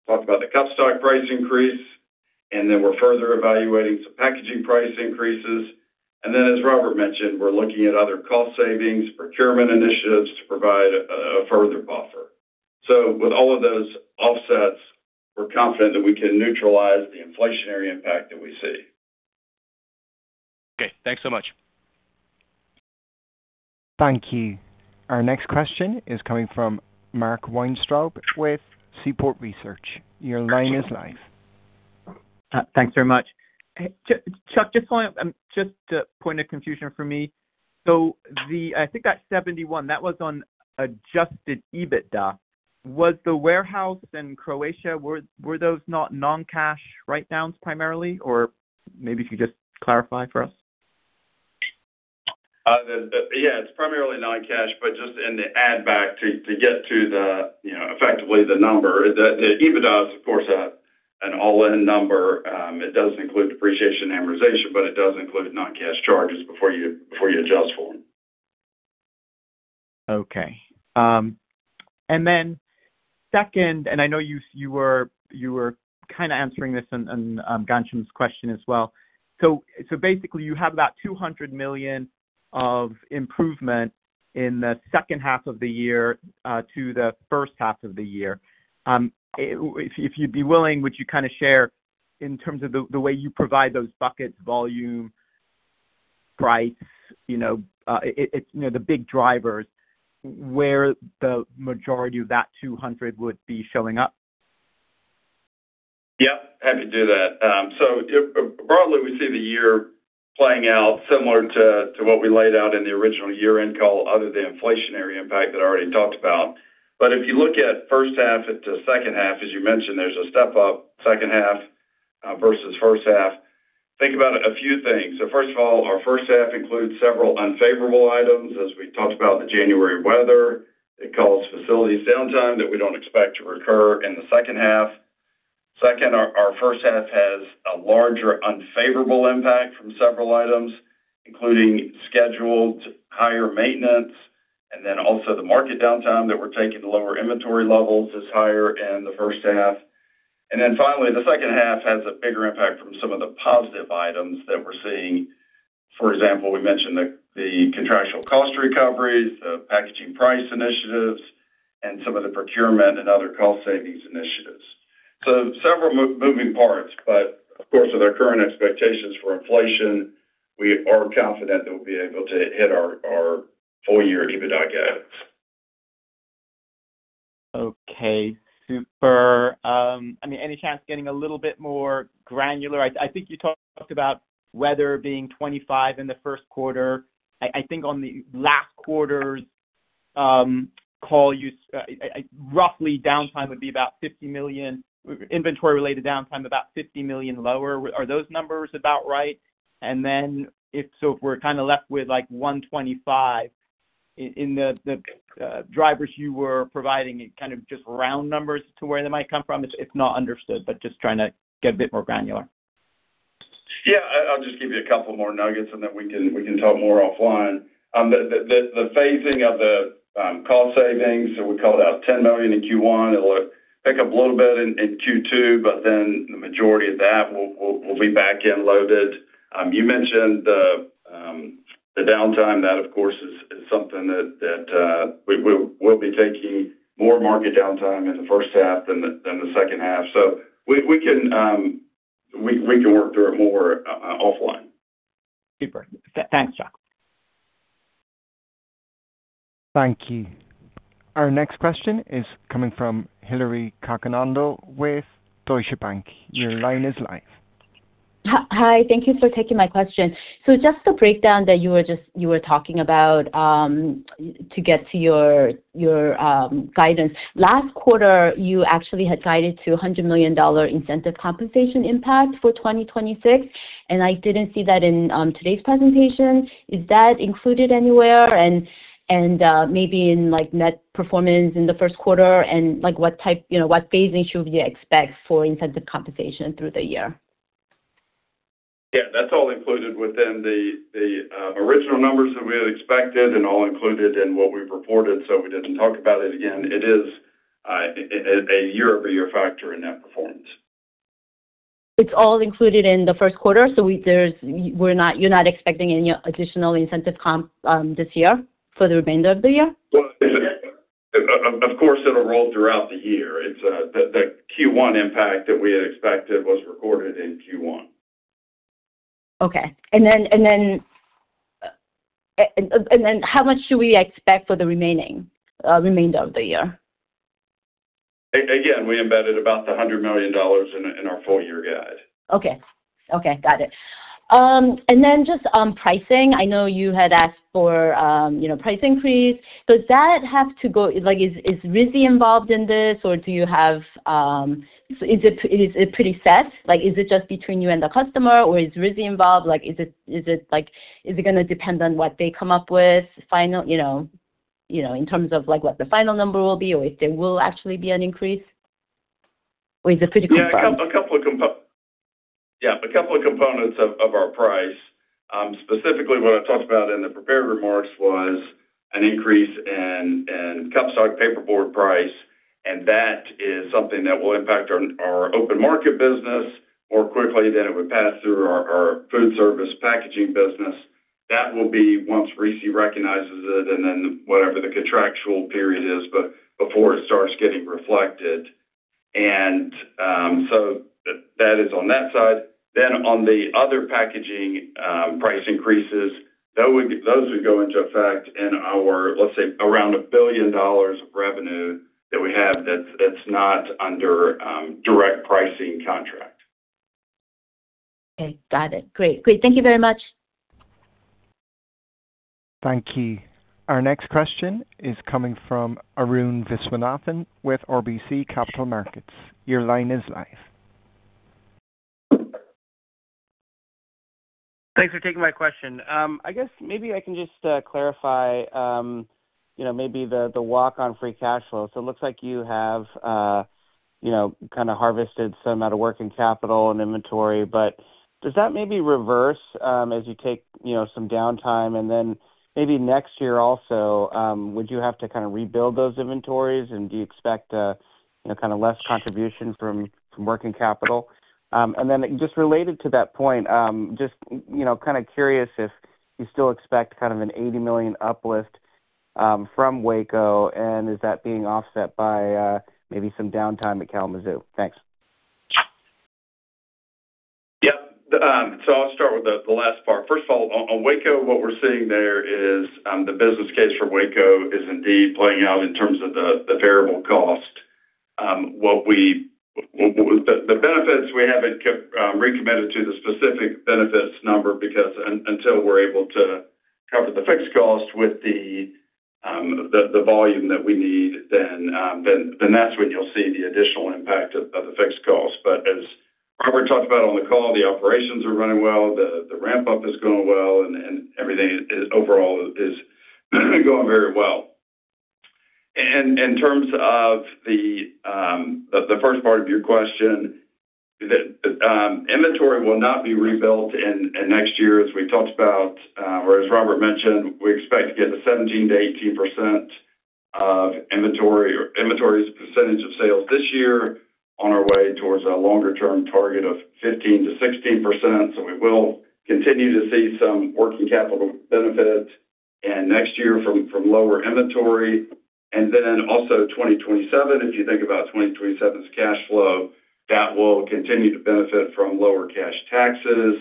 Talked about the cup stock price increase, we're further evaluating some packaging price increases. As Robbert mentioned, we're looking at other cost savings, procurement initiatives to provide a further buffer. With all of those offsets, we're confident that we can neutralize the inflationary impact that we see. Okay. Thanks so much. Thank you. Our next question is coming from Mark Weintraub with Seaport Research. Thanks very much. Hey, Chuck, just one, just a point of confusion for me. I think that 71, that was on adjusted EBITDA. Was the warehouse in Croatia, were those not non-cash write-downs primarily? Maybe if you could just clarify for us. The Yeah, it's primarily non-cash, but just in the add back to get to the, you know, effectively the number. The EBITDA is of course an all-in number. It does include depreciation and amortization, but it does include non-cash charges before you adjust for them. Okay. Second, I know you were kinda answering this in Ghansham's question as well. Basically you have about $200 million of improvement in the second half of the year to the first half of the year. If you'd be willing, would you kinda share in terms of the way you provide those buckets, volume, price, you know, the big drivers, where the majority of that $200 would be showing up? Yeah, happy to do that. Broadly, we see the year playing out similar to what we laid out in the original year-end call, other than the inflationary impact that I already talked about. If you look at first half to second half, as you mentioned, there's a step up second half versus first half. Think about a few things. First of all, our first half includes several unfavorable items, as we talked about the January weather that caused facilities downtime that we don't expect to recur in the second half. Second, our first half has a larger unfavorable impact from several items, including scheduled higher maintenance and then also the market downtime that we're taking to lower inventory levels is higher in the first half. Finally, the second half has a bigger impact from some of the positive items that we're seeing. For example, we mentioned the contractual cost recoveries, the packaging price initiatives, and some of the procurement and other cost savings initiatives. Several moving parts, but of course with our current expectations for inflation, we are confident that we'll be able to hit our full year EBITDA guidance. Okay. Super. I mean, any chance of getting a little bit more granular? I think you talked about weather being $25 in the first quarter. I think on the last quarter's call you roughly downtime would be about $50 million, inventory-related downtime about $50 million lower. Are those numbers about right? If So if we're kinda left with like $125 in the drivers you were providing and kind of just round numbers to where they might come from. It's not understood, but just trying to get a bit more granular. Yeah. I'll just give you a couple more nuggets, and then we can talk more offline. The phasing of the cost savings, so we called out $10 million in Q1. It'll pick up a little bit in Q2, the majority of that will be back-end loaded. You mentioned the downtime. That of course is something that we'll be taking more market downtime in the first half than the second half. We can work through it more offline. Super. Thanks, Chuck. Thank you. Our next question is coming from Hillary Cacanando with Deutsche Bank. Your line is live. Hi. Thank you for taking my question. Just the breakdown that you were talking about to get to your guidance, last quarter, you actually had guided to a $100 million incentive compensation impact for 2026, and I didn't see that in today's presentation. Is that included anywhere? Maybe in like net performance in the first quarter, and what type, you know, what phasing should we expect for incentive compensation through the year? Yeah. That's all included within the original numbers that we had expected and all included in what we've reported. We didn't talk about it again. It is a year-over-year factor in net performance. It's all included in the first quarter, you're not expecting any additional incentive comp this year for the remainder of the year? Well, of course, it'll roll throughout the year. It's the Q1 impact that we had expected was recorded in Q1. Okay. Then how much should we expect for the remaining, remainder of the year? Again, we embedded about the $100 million in our full year guide. Okay. Okay, got it. Just on pricing, I know you had asked for, you know, price increase. Does that have to go? Is RISI involved in this, or do you have it pretty set? Like, is it just between you and the customer, or is RISI involved? Like, is it like, is it gonna depend on what they come up with final, you know, you know, in terms of like what the final number will be or if there will actually be an increase? Yeah, a couple of components of our price. Specifically what I talked about in cup stock paperboard price, and that is something that will impact our open market business more quickly than it would pass through our food service packaging business. That will be once RISI recognizes it and then whatever the contractual period is, but before it starts getting reflected. That is on that side. On the other packaging, price increases, those would go into effect in our, let's say, around $1 billion of revenue that we have that's not under direct pricing contract. Okay. Got it. Great. Great. Thank you very much. Thank you. Our next question is coming from Arun Viswanathan with RBC Capital Markets. Your line is live. Thanks for taking my question. I guess maybe I can just clarify, you know, maybe the walk on free cash flow. It looks like you have kinda harvested some out of working capital and inventory, but does that maybe reverse as you take some downtime? Maybe next year also, would you have to kind of rebuild those inventories? Do you expect kind of less contribution from working capital? Just related to that point, just kinda curious if you still expect kind of an $80 million uplift from Waco, and is that being offset by maybe some downtime at Kalamazoo? Thanks. I'll start with the last part. First of all, on Waco, what we're seeing there is the business case for Waco is indeed playing out in terms of the variable cost. The benefits we haven't kept recommitted to the specific benefits number because until we're able to cover the fixed cost with the volume that we need, then that's when you'll see the additional impact of the fixed cost. As Robbert talked about on the call, the operations are running well, the ramp-up is going well, and everything is overall is going very well. In terms of the first part of your question, the inventory will not be rebuilt in next year. As we've talked about, or as Robbert mentioned, we expect to get a 17% to 18% of inventory or inventories percentage of sales this year on our way towards a longer-term target of 15% to 16%. We will continue to see some working capital benefit next year from lower inventory. Also 2027, if you think about 2027's cash flow, that will continue to benefit from lower cash taxes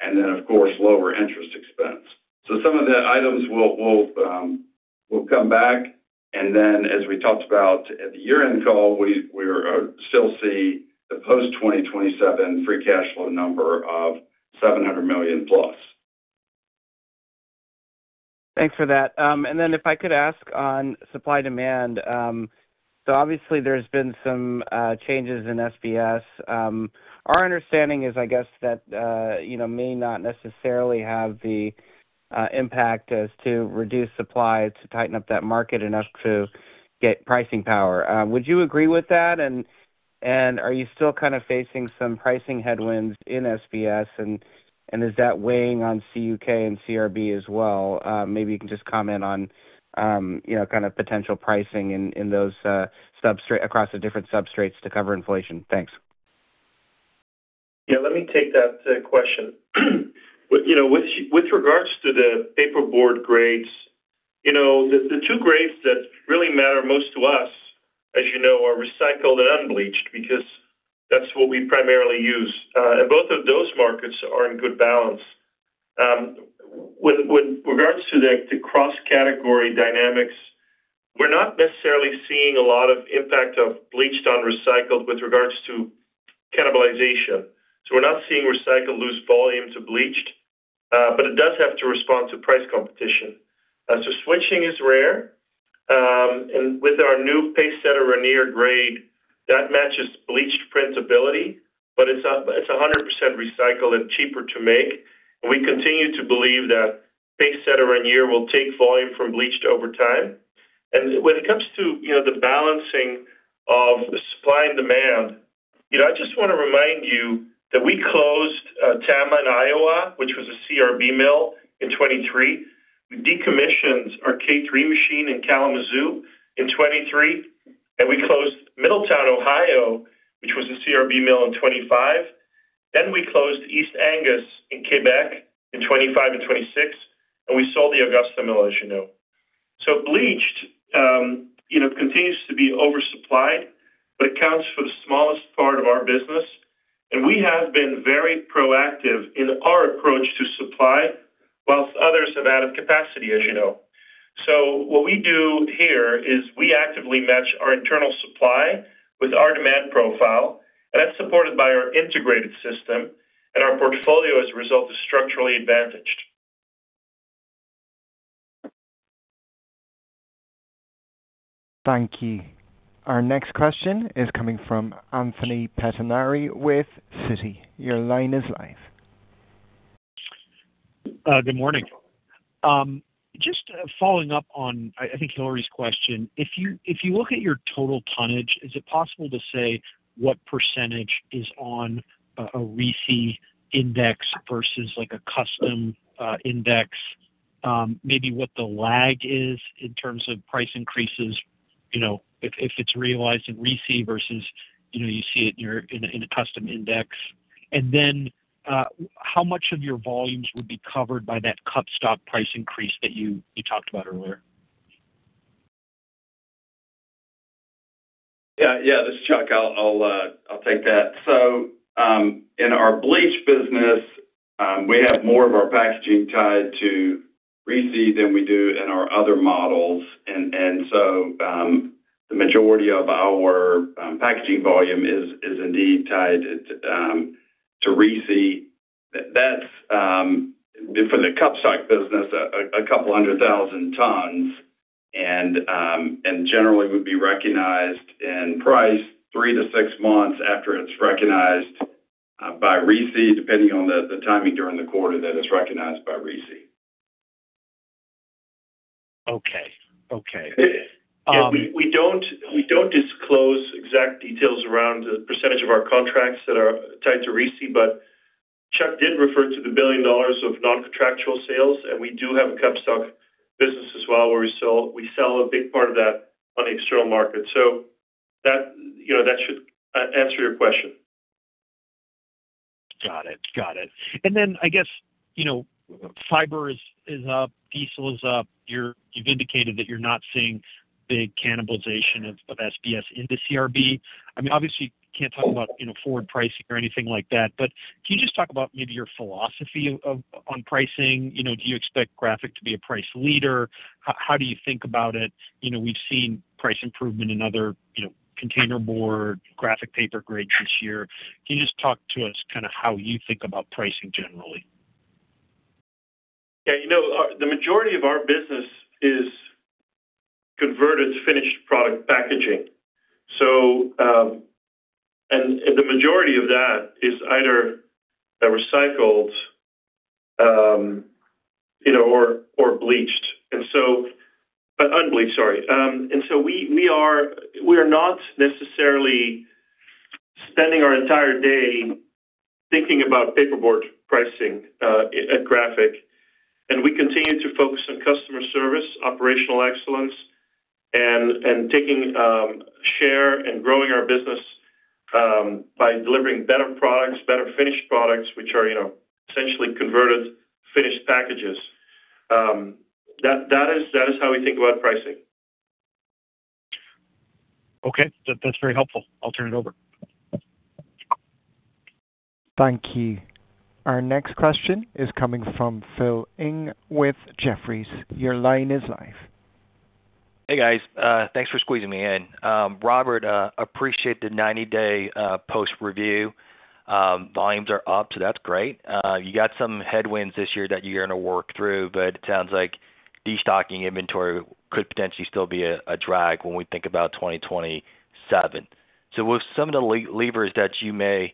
and then, of course, lower interest expense. Some of the items will come back. As we talked about at the year-end call, we still see the post 2027 free cash flow number of $700 million plus. Thanks for that. Then if I could ask on supply-demand. Obviously there's been some changes in SBS. Our understanding is, I guess, that, you know, may not necessarily have the impact as to reduce supply to tighten up that market enough to get pricing power. Would you agree with that? Are you still kind of facing some pricing headwinds in SBS? Is that weighing on CUK and CRB as well? Maybe you can just comment on, you know, kind of potential pricing in those across the different substrates to cover inflation. Thanks. Yeah, let me take that question. You know, with regards to the paper board grades, you know, the 2 grades that really matter most to us, as you know, are recycled and unbleached because that's what we primarily use. Both of those markets are in good balance. With regards to the cross-category dynamics, we're not necessarily seeing a lot of impact of bleached on recycled with regards to cannibalization. We're not seeing recycled lose volume to bleached, but it does have to respond to price competition. Switching is rare. With our new PaceSetter Rainier grade, that matches bleached printability, but it's a 100% recycled and cheaper to make. We continue to believe that PaceSetter Rainier will take volume from bleached over time. When it comes to, you know, the balancing of supply and demand, you know, I just wanna remind you that we closed Tama in Iowa, which was a CRB mill, in 2023. We decommissioned our K3 machine in Kalamazoo in 2023, and we closed Middletown, Ohio, which was a CRB mill, in 2025. We closed East Angus in Quebec in 2025 and 2026, and we sold the Augusta Mill, as you know. Bleached, you know, continues to be oversupplied, but accounts for the smallest part of our business. We have been very proactive in our approach to supply, whilst others have added capacity, as you know. What we do here is we actively match our internal supply with our demand profile, and that's supported by our integrated system. Our portfolio, as a result, is structurally advantaged. Thank you. Our next question is coming from Anthony Pettinari with Citi. Your line is live. Good morning. Just following up on, I think Hillary Cacanando's question. If you look at your total tonnage, is it possible to say what % is on a RISI index versus, like, a custom index? Maybe what the lag is in terms of price increases, you know, if it's realized in RISI versus, you know, you see it in your in a custom index. Then how much of your volumes would be covered by that cup stock price increase that you talked about earlier? Yeah, this is Chuck. I'll take that. In our bleach business, we have more of our packaging tied to RISI than we do in our other models. The majority of our packaging volume is indeed tied to RISI. That's for the cup stock business, a couple hundred thousand tons and generally would be recognized in price three to six months after it's recognized by RISI, depending on the timing during the quarter that it's recognized by RISI. Okay. Okay. Yeah, we don't disclose exact details around the percentage of our contracts that are tied to RISI. Chuck did refer to the $1 billion of non-contractual sales. We do have a cupstock business as well, where we sell a big part of that on the external market. That, you know, that should answer your question. Got it. Got it. I guess, you know, fiber is up, diesel is up. You've indicated that you're not seeing big cannibalization of SBS into CRB. I mean, obviously you can't talk about, you know, forward pricing or anything like that, but can you just talk about maybe your philosophy on pricing? You know, do you expect Graphic to be a price leader? How do you think about it? You know, we've seen price improvement in other, you know, container board, Graphic paper grades this year. Can you just talk to us kinda how you think about pricing generally? Yeah, you know, the majority of our business is converted finished product packaging. And the majority of that is either a recycled, you know, or bleached. Unbleached, sorry. We are not necessarily spending our entire day thinking about paperboard pricing at Graphic. We continue to focus on customer service, operational excellence, and taking share and growing our business by delivering better products, better finished products, which are, you know, essentially converted finished packages. That is how we think about pricing. Okay. That's very helpful. I'll turn it over. Thank you. Our next question is coming from Philip Ng with Jefferies. Your line is live. Hey, guys. Thanks for squeezing me in. Robbert, appreciate the 90-day post review. Volumes are up, that's great. You got some headwinds this year that you're gonna work through, but it sounds like destocking inventory could potentially still be a drag when we think about 2027. With some of the levers that you may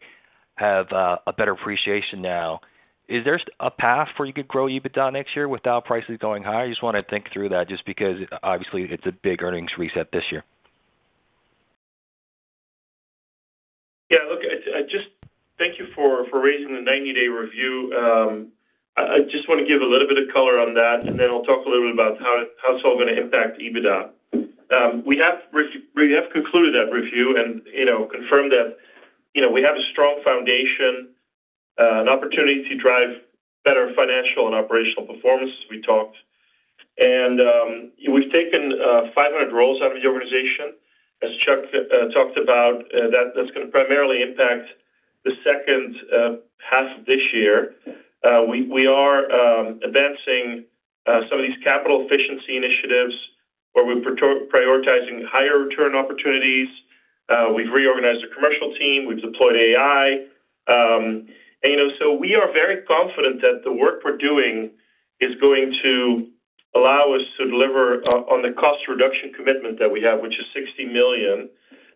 have a better appreciation now, is there a path where you could grow EBITDA next year without prices going higher? I just wanna think through that just because obviously it's a big earnings reset this year. Yeah, look, I just thank you for raising the 90-day review. I just wanna give a little bit of color on that, and then I'll talk a little bit about how it's all gonna impact EBITDA. We have concluded that review and, you know, confirmed that, you know, we have a strong foundation, an opportunity to drive better financial and operational performance, as we talked. We've taken 500 roles out of the organization. As Chuck talked about, that's gonna primarily impact the second half of this year. We are advancing some of these capital efficiency initiatives where we're prioritizing higher return opportunities. We've reorganized the commercial team. We've deployed AI. You know, we are very confident that the work we're doing is going to allow us to deliver on the cost reduction commitment that we have, which is $60 million.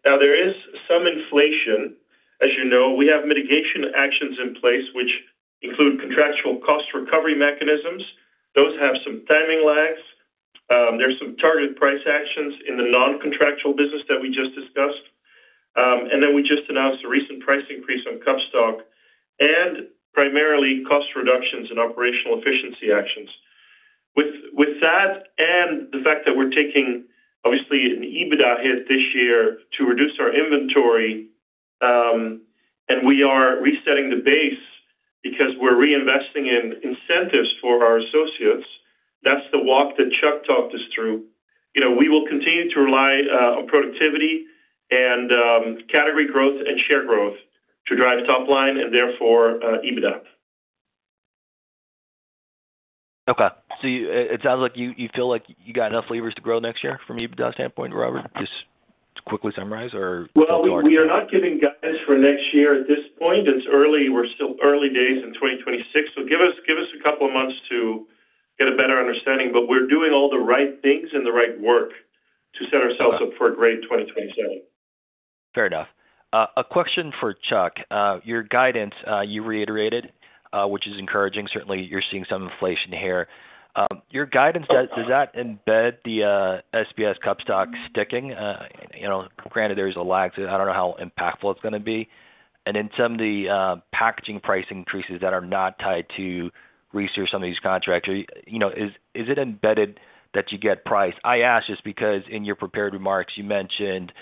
There is some inflation. As you know, we have mitigation actions in place, which include contractual cost recovery mechanisms. Those have some timing lags. There's some targeted price actions in the non-contractual business that we just discussed. We just announced a recent price increase on cupstock and primarily cost reductions and operational efficiency actions. With that and the fact that we're taking obviously an EBITDA hit this year to reduce our inventory, and we are resetting the base because we're reinvesting in incentives for our associates, that's the walk that Chuck talked us through. You know, we will continue to rely on productivity and category growth and share growth to drive top line and therefore, EBITDA. Okay. It sounds like you feel like you got enough levers to grow next year from an EBITDA standpoint, Robbert? Well, we are not giving guidance for next year at this point. It's early. We're still early days in 2026. Give us a couple of months to get a better understanding. We're doing all the right things and the right work to set ourselves up for a great 2027. Fair enough. A question for Chuck. Your guidance, you reiterated, which is encouraging. Certainly, you're seeing some inflation here. Your guidance, does that embed the SBS cup stock sticking? You know, granted there is a lag, so I don't know how impactful it's gonna be. Some of the packaging price increases that are not tied to RISI some of these contracts. You know, is it embedded that you get price? I ask just because in your prepared remarks, you mentioned,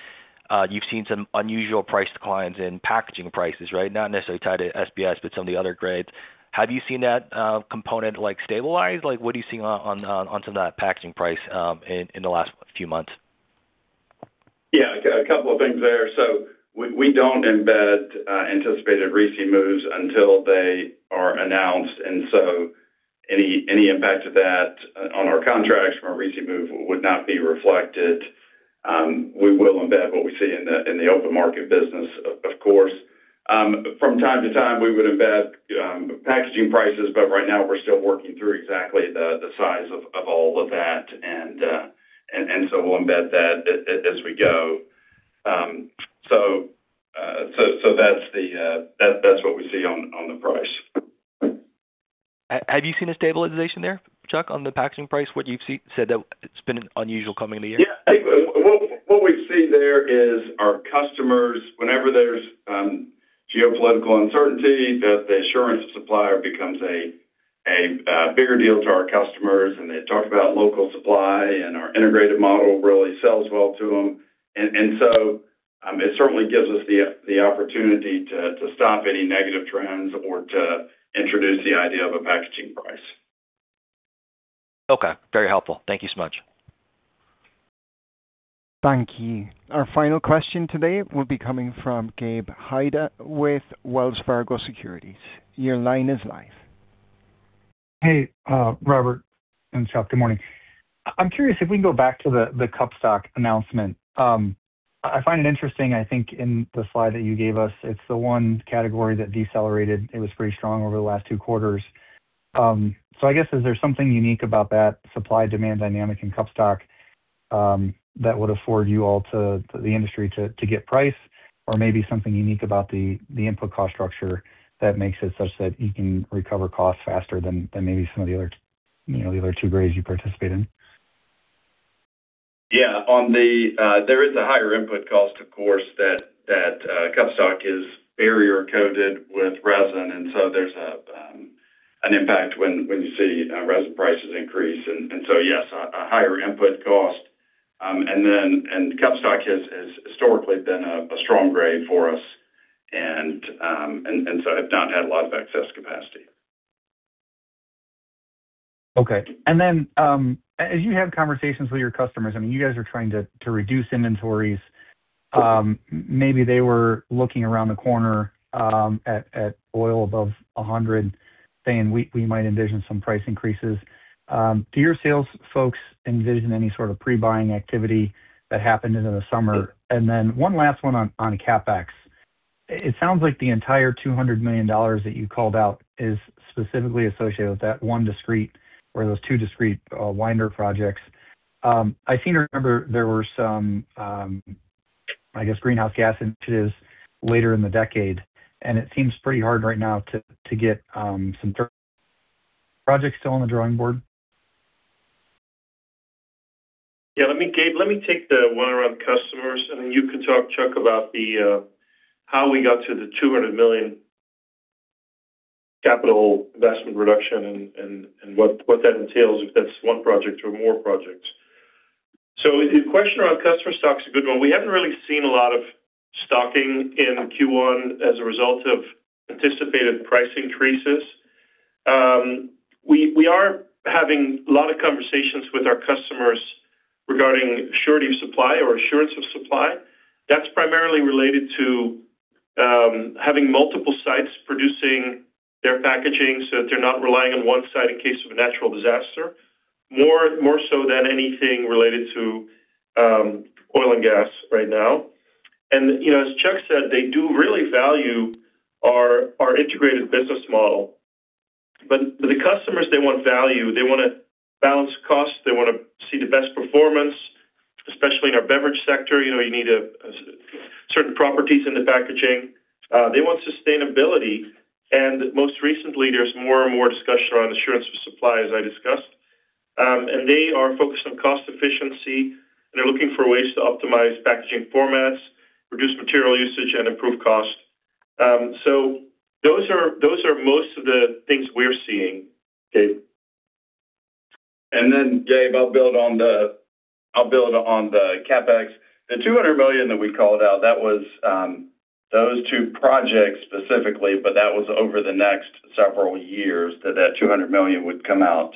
you've seen some unusual price declines in packaging prices, right? Not necessarily tied to SBS, but some of the other grades. Have you seen that component, like, stabilize? Like, what are you seeing on some of that packaging price in the last few months? Yeah. A couple of things there. We don't embed anticipated RISI moves until they are announced. Any impact of that on our contracts from a RISI move would not be reflected. We will embed what we see in the open market business of course. From time to time, we would embed packaging prices, but right now we're still working through exactly the size of all of that. We'll embed that as we go. That's the that's what we see on the price. Have you seen a stabilization there, Chuck, on the packaging price? What you've said that it's been an unusual coming of the year. Yeah. What we see there is our customers, whenever there's geopolitical uncertainty, that the assurance of supplier becomes a bigger deal to our customers. They talk about local supply and our integrated model really sells well to them. It certainly gives us the opportunity to stop any negative trends or to introduce the idea of a packaging price. Okay. Very helpful. Thank you so much. Thank you. Our final question today will be coming from Gabe Hajde with Wells Fargo Securities. Your line is live. Hey, Robbert and Chuck. Good morning. I'm curious if we can go back to the cup stock announcement. I find it interesting, I think in the slide that you gave us, it's the one category that decelerated. It was pretty strong over the last two quarters. I guess, is there something unique about that supply-demand dynamic in cup stock that would afford you all to the industry to get price? Maybe something unique about the input cost structure that makes it such that you can recover costs faster than maybe some of the other, you know, the other two grades you participate in? Yeah. On the, there is a higher input cost, of course, that cup stock is barrier-coated with resin, and so there's an impact when you see resin prices increase. Yes, a higher input cost. Cup stock has historically been a strong grade for us and have not had a lot of excess capacity. Okay. As you have conversations with your customers, I mean, you guys are trying to reduce inventories. Maybe they were looking around the corner at oil above 100, saying we might envision some price increases. Do your sales folks envision any sort of pre-buying activity that happened in the summer? one last on CapEx. It sounds like the entire $200 million that you called out is specifically associated with that 1 discrete or those two discrete winder projects. I seem to remember there were some, I guess, greenhouse gas initiatives later in the decade, and it seems pretty hard right now to get some projects still on the drawing board. Yeah, let me Gabe, let me take the one around customers, and then you can talk, Chuck, about how we got to the $200 million capital investment reduction and what that entails, if that's one project or more projects. We are having a lot of conversations with our customers regarding surety of supply or assurance of supply. That's primarily related to having multiple sites producing their packaging so that they're not relying on one site in case of a natural disaster, more so than anything related to oil and gas right now. You know, as Chuck said, they do really value our integrated business model. The customers, they want value. They wanna balance cost. They wanna see the best performance, especially in our beverage sector. You know, you need certain properties in the packaging. They want sustainability. Most recently, there's more and more discussion around assurance of supply, as I discussed. They are focused on cost efficiency, and they're looking for ways to optimize packaging formats, reduce material usage, and improve cost. Those are most of the things we're seeing, Gabe. Gabe, I'll build on the CapEx. The $200 million that we called out, that was those two projects specifically, but that was over the next several years that that $200 million would come out,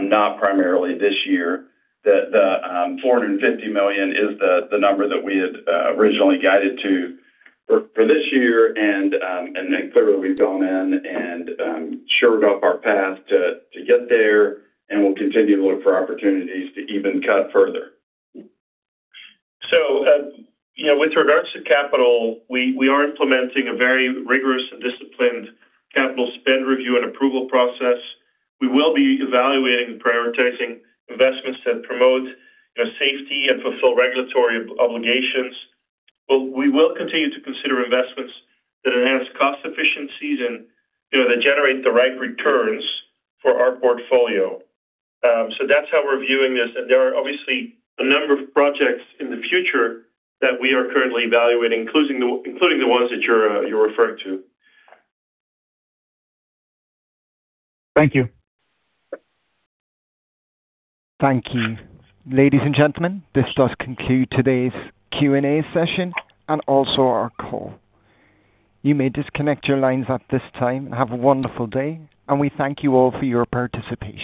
not primarily this year. The $450 million is the number that we had originally guided to for this year. Clearly, we've gone in and shored up our path to get there, and we'll continue to look for opportunities to even cut further. You know, with regards to capital, we are implementing a very rigorous and disciplined capital spend review and approval process. We will be evaluating and prioritizing investments that promote, you know, safety and fulfill regulatory obligations. We will continue to consider investments that enhance cost efficiencies and, you know, that generate the right returns for our portfolio. That's how we're viewing this. There are obviously a number of projects in the future that we are currently evaluating, including the ones that you're referring to. Thank you. Thank you. Ladies and gentlemen, this does conclude today's Q&A session and also our call. You may disconnect your lines at this time. Have a wonderful day, and we thank you all for your participation.